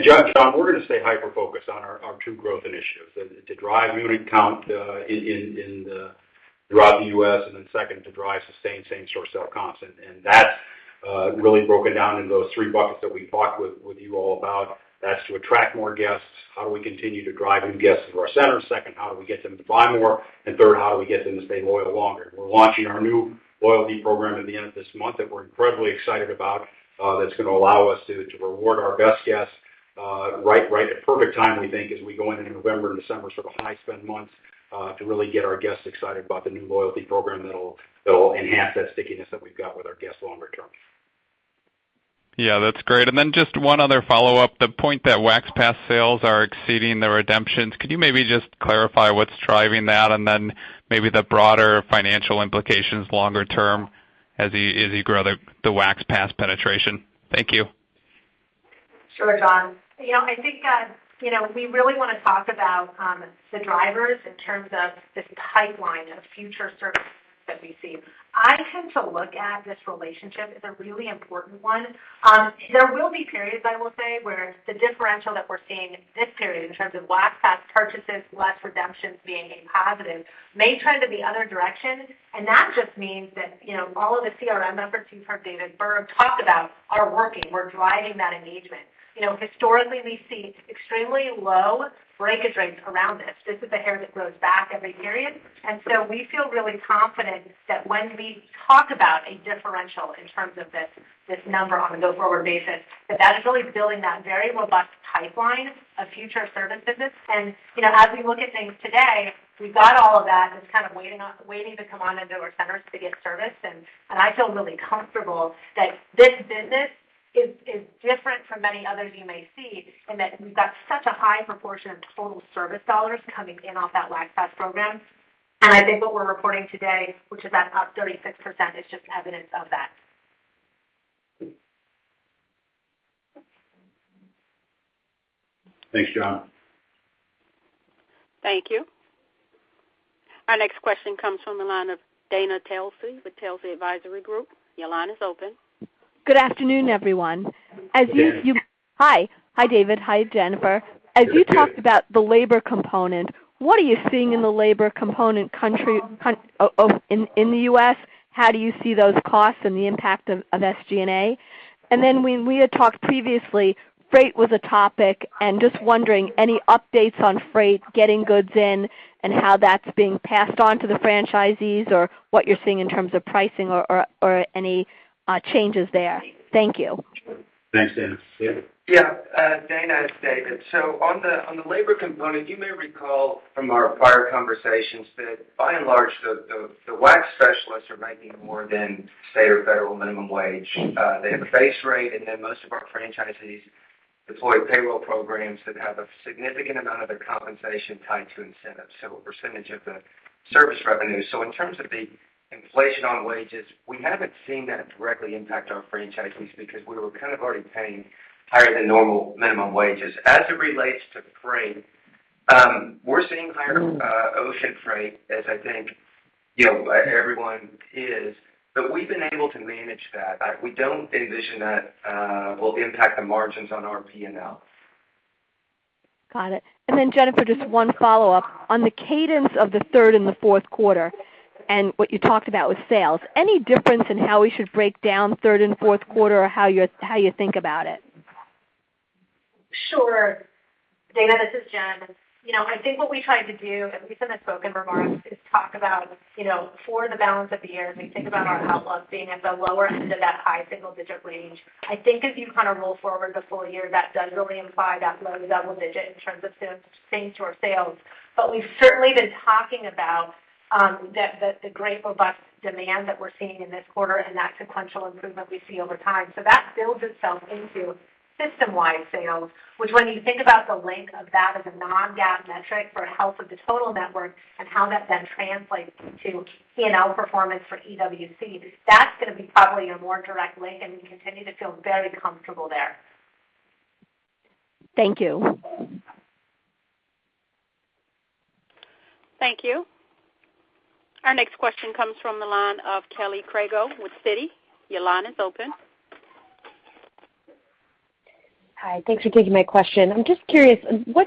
John, we're going to stay hyper-focused on our two growth initiatives, to drive unit count throughout the U.S., then second, to drive sustained same-store sale comps. That's really broken down into those three buckets that we talked with you all about. That's to attract more guests. How do we continue to drive new guests to our centers? Second, how do we get them to buy more? Third, how do we get them to stay loyal longer? We're launching our new loyalty program at the end of this month that we're incredibly excited about. That's going to allow us to reward our best guests right at the perfect time, we think, as we go into November and December, high spend months, to really get our guests excited about the new loyalty program that'll enhance that stickiness that we've got with our guests longer term. Yeah, that's great. Then just one other follow-up. The point that Wax Pass sales are exceeding the redemptions, could you maybe just clarify what's driving that, and then maybe the broader financial implications longer term as you grow the Wax Pass penetration? Thank you. Sure, John. I think we really want to talk about the drivers in terms of this pipeline of future services that we see. I tend to look at this relationship as a really important one. There will be periods, I will say, where the differential that we're seeing this period in terms of Wax Pass purchases, less redemptions being a positive, may trend in the other direction, that just means that all of the CRM efforts you've heard David Berg talk about are working. We're driving that engagement. Historically, we see extremely low breakage rates around this. This is the hair that grows back every period. We feel really confident that when we talk about a differential in terms of this number on a go-forward basis, that is really building that very robust pipeline of future service business. As we look at things today, we've got all of that, and it's kind of waiting to come on into our centers to get serviced. I feel really comfortable that this business is different from many others you may see in that we've got such a high proportion of total service dollars coming in off that Wax Pass program. I think what we're reporting today, which is that up 36%, is just evidence of that. Thanks, John. Thank you. Our next question comes from the line of Dana Telsey with Telsey Advisory Group. Your line is open. Good afternoon, everyone. Hi, Dana. Hi. Hi, David. Hi, Jennifer. Hi, Dana. As you talked about the labor component, what are you seeing in the labor component in the U.S.? How do you see those costs and the impact of SG&A? When we had talked previously, freight was a topic, and just wondering, any updates on freight, getting goods in, and how that's being passed on to the franchisees, or what you're seeing in terms of pricing or any changes there? Thank you. Thanks, Dana. David? Yeah. Dana, it's David. On the labor component, you may recall from our prior conversations that by and large, the wax specialists are making more than state or Federal minimum wage. They have a base rate, and then most of our franchisees deploy payroll programs that have a significant amount of their compensation tied to incentives, so a percentage of the service revenue. In terms of the inflation on wages, we haven't seen that directly impact our franchisees because we were kind of already paying higher than normal minimum wages. As it relates to freight, we're seeing higher ocean freight as I think everyone is, but we've been able to manage that. We don't envision that will impact the margins on our P&L. Got it. Then Jennifer, just one follow-up. On the cadence of the third and the fourth quarter and what you talked about with sales, any difference in how we should break down third and fourth quarter or how you think about it? Sure. Dana, this is Jen. I think what we tried to do, at least in the spoken remarks, is talk about for the balance of the year, as we think about our outlook being at the lower end of that high single-digit range. I think if you roll forward the full year, that does really imply that low double-digit in terms of same-store sales. We've certainly been talking about the great robust demand that we're seeing in this quarter and that sequential improvement we see over time. That builds itself into system-wide sales, which when you think about the link of that as a non-GAAP metric for health of the total network and how that then translates to P&L performance for EWC, that's going to be probably a more direct link, and we continue to feel very comfortable there. Thank you. Thank you. Our next question comes from the line of Kelly Crago with Citi. Your line is open. Hi. Thanks for taking my question. I'm just curious, what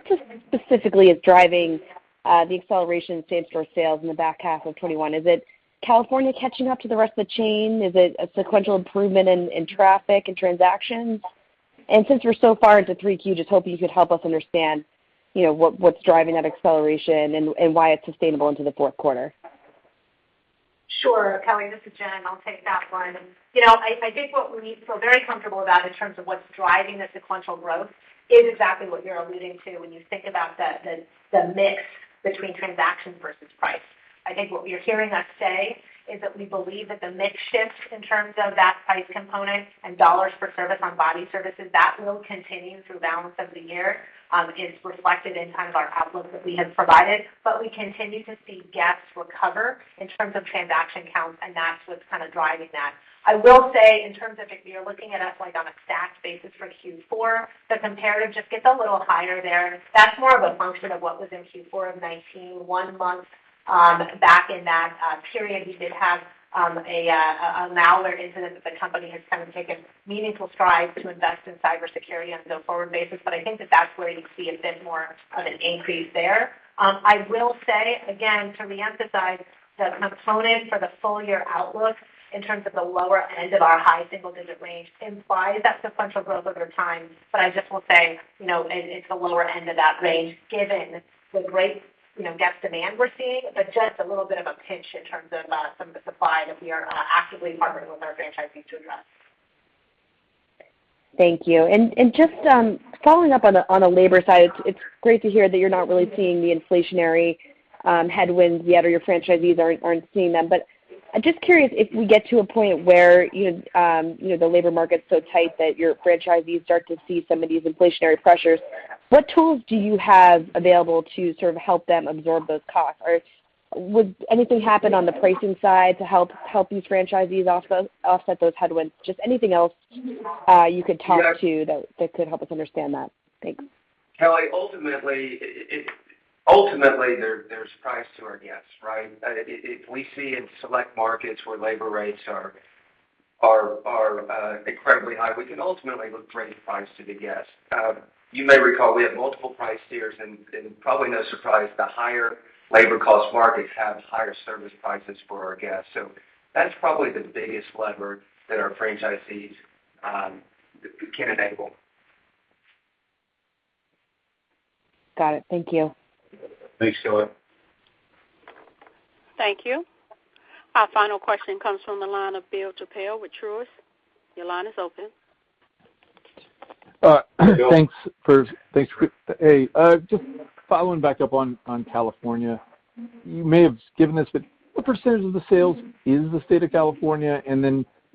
specifically is driving the acceleration same-store sales in the back half of 2021? Is it California catching up to the rest of the chain? Is it a sequential improvement in traffic and transactions? Since we're so far into 3Q, just hoping you could help us understand what's driving that acceleration and why it's sustainable into the fourth quarter. Sure, Kelly, this is Jen. I'll take that one. I think what we feel very comfortable about in terms of what's driving the sequential growth is exactly what you're alluding to when you think about the mix between transaction versus price. I think what you're hearing us say is that we believe that the mix shift in terms of that price component and dollars per service on body services, that will continue through the balance of the year, is reflected in our outlook that we have provided. We continue to see guests recover in terms of transaction count, and that's what's kind of driving that. I will say in terms of if you're looking at us on a stacked basis for Q4, the comparative just gets a little higher there. That's more of a function of what was in Q4 of 2019, one month back in that period, we did have a malware incident that the company has kind of taken meaningful strides to invest in cybersecurity on a go-forward basis. I think that that's where you see a bit more of an increase there. I will say, again, to reemphasize, the component for the full year outlook in terms of the lower end of our high single-digit range implies that sequential growth over time. I just will say, it's the lower end of that range given the great guest demand we're seeing, but just a little bit of a pinch in terms of some of the supply that we are actively partnering with our franchisees to address. Thank you. Just following up on the labor side, it's great to hear that you're not really seeing the inflationary headwinds yet, or your franchisees aren't seeing them. I'm just curious, if we get to a point where the labor market's so tight that your franchisees start to see some of these inflationary pressures, what tools do you have available to help them absorb those costs? Would anything happen on the pricing side to help these franchisees offset those headwinds? Just anything else you could talk to that could help us understand that. Thanks. Kelly, ultimately, there's price to our guests, right? If we see in select markets where labor rates are incredibly high, we can ultimately look to raise price to the guests. You may recall we have multiple price tiers, and probably no surprise, the higher labor cost markets have higher service prices for our guests. That's probably the biggest lever that our franchisees can enable. Got it. Thank you. Thanks, Kelly. Thank you. Our final question comes from the line of Bill Chappell with Truist. Your line is open. Thanks. Just following back up on California, you may have given this, but what percent of the sales is the state of California?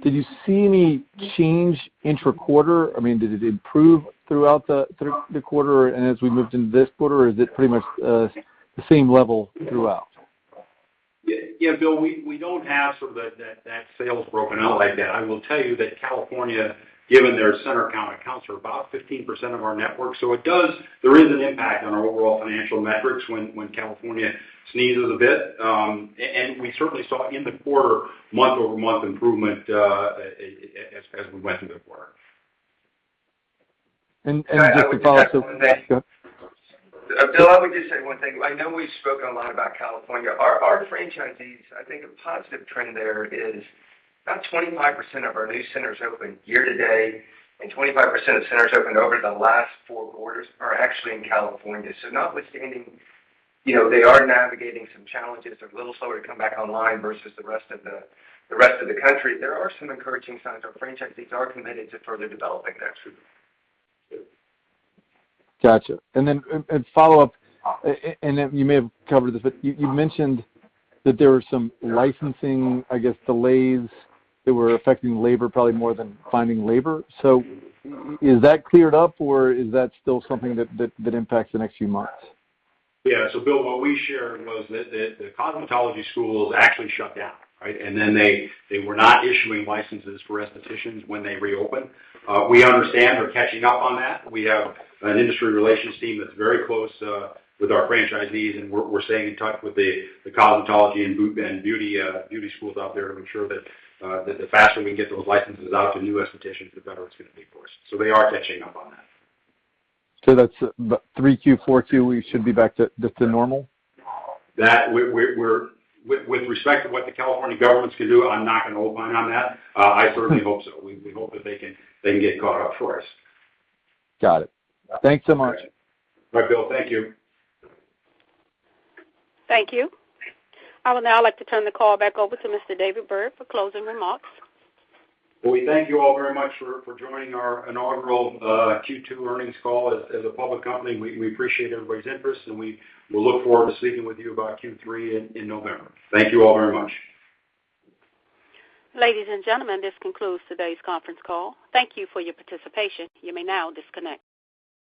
Did you see any change intra-quarter? Did it improve throughout the quarter and as we moved into this quarter, or is it pretty much the same level throughout? Yeah, Bill, we don't have that sales broken out like that. I will tell you that California, given their center count, accounts for about 15% of our network. There is an impact on our overall financial metrics when California sneezes a bit. We certainly saw in the quarter, month-over-month improvement as we went through the quarter. Just to follow up. Bill, I would just say one thing. I know we've spoken a lot about California. Our franchisees, I think a positive trend there is about 25% of our new centers opened year to date, and 25% of centers opened over the last four quarters are actually in California. Notwithstanding, they are navigating some challenges. They're a little slower to come back online versus the rest of the country. There are some encouraging signs. Our franchisees are committed to further developing there too. Got you. Follow-up, and you may have covered this, but you mentioned that there were some licensing, I guess, delays that were affecting labor probably more than finding labor. Is that cleared up, or is that still something that impacts the next few months? Yeah. Bill, what we shared was that the cosmetology schools actually shut down. Right? They were not issuing licenses for estheticians when they reopened. We understand they're catching up on that. We have an industry relations team that's very close with our franchisees. We're staying in touch with the cosmetology and beauty schools out there to ensure that the faster we can get those licenses out to new estheticians, the better it's going to be for us. They are catching up on that. That's 3Q, 4Q, we should be back to just the normal? With respect to what the California governments can do, I'm not going to hold mine on that. I certainly hope so. We hope that they can get caught up for us. Got it. Thanks so much. Bye, Bill. Thank you. Thank you. I would now like to turn the call back over to Mr. David Berg for closing remarks. Well, we thank you all very much for joining our inaugural Q2 earnings call as a public company. We appreciate everybody's interest, and we look forward to speaking with you about Q3 in November. Thank you all very much. Ladies and gentlemen, this concludes today's conference call. Thank you for your participation. You may now disconnect.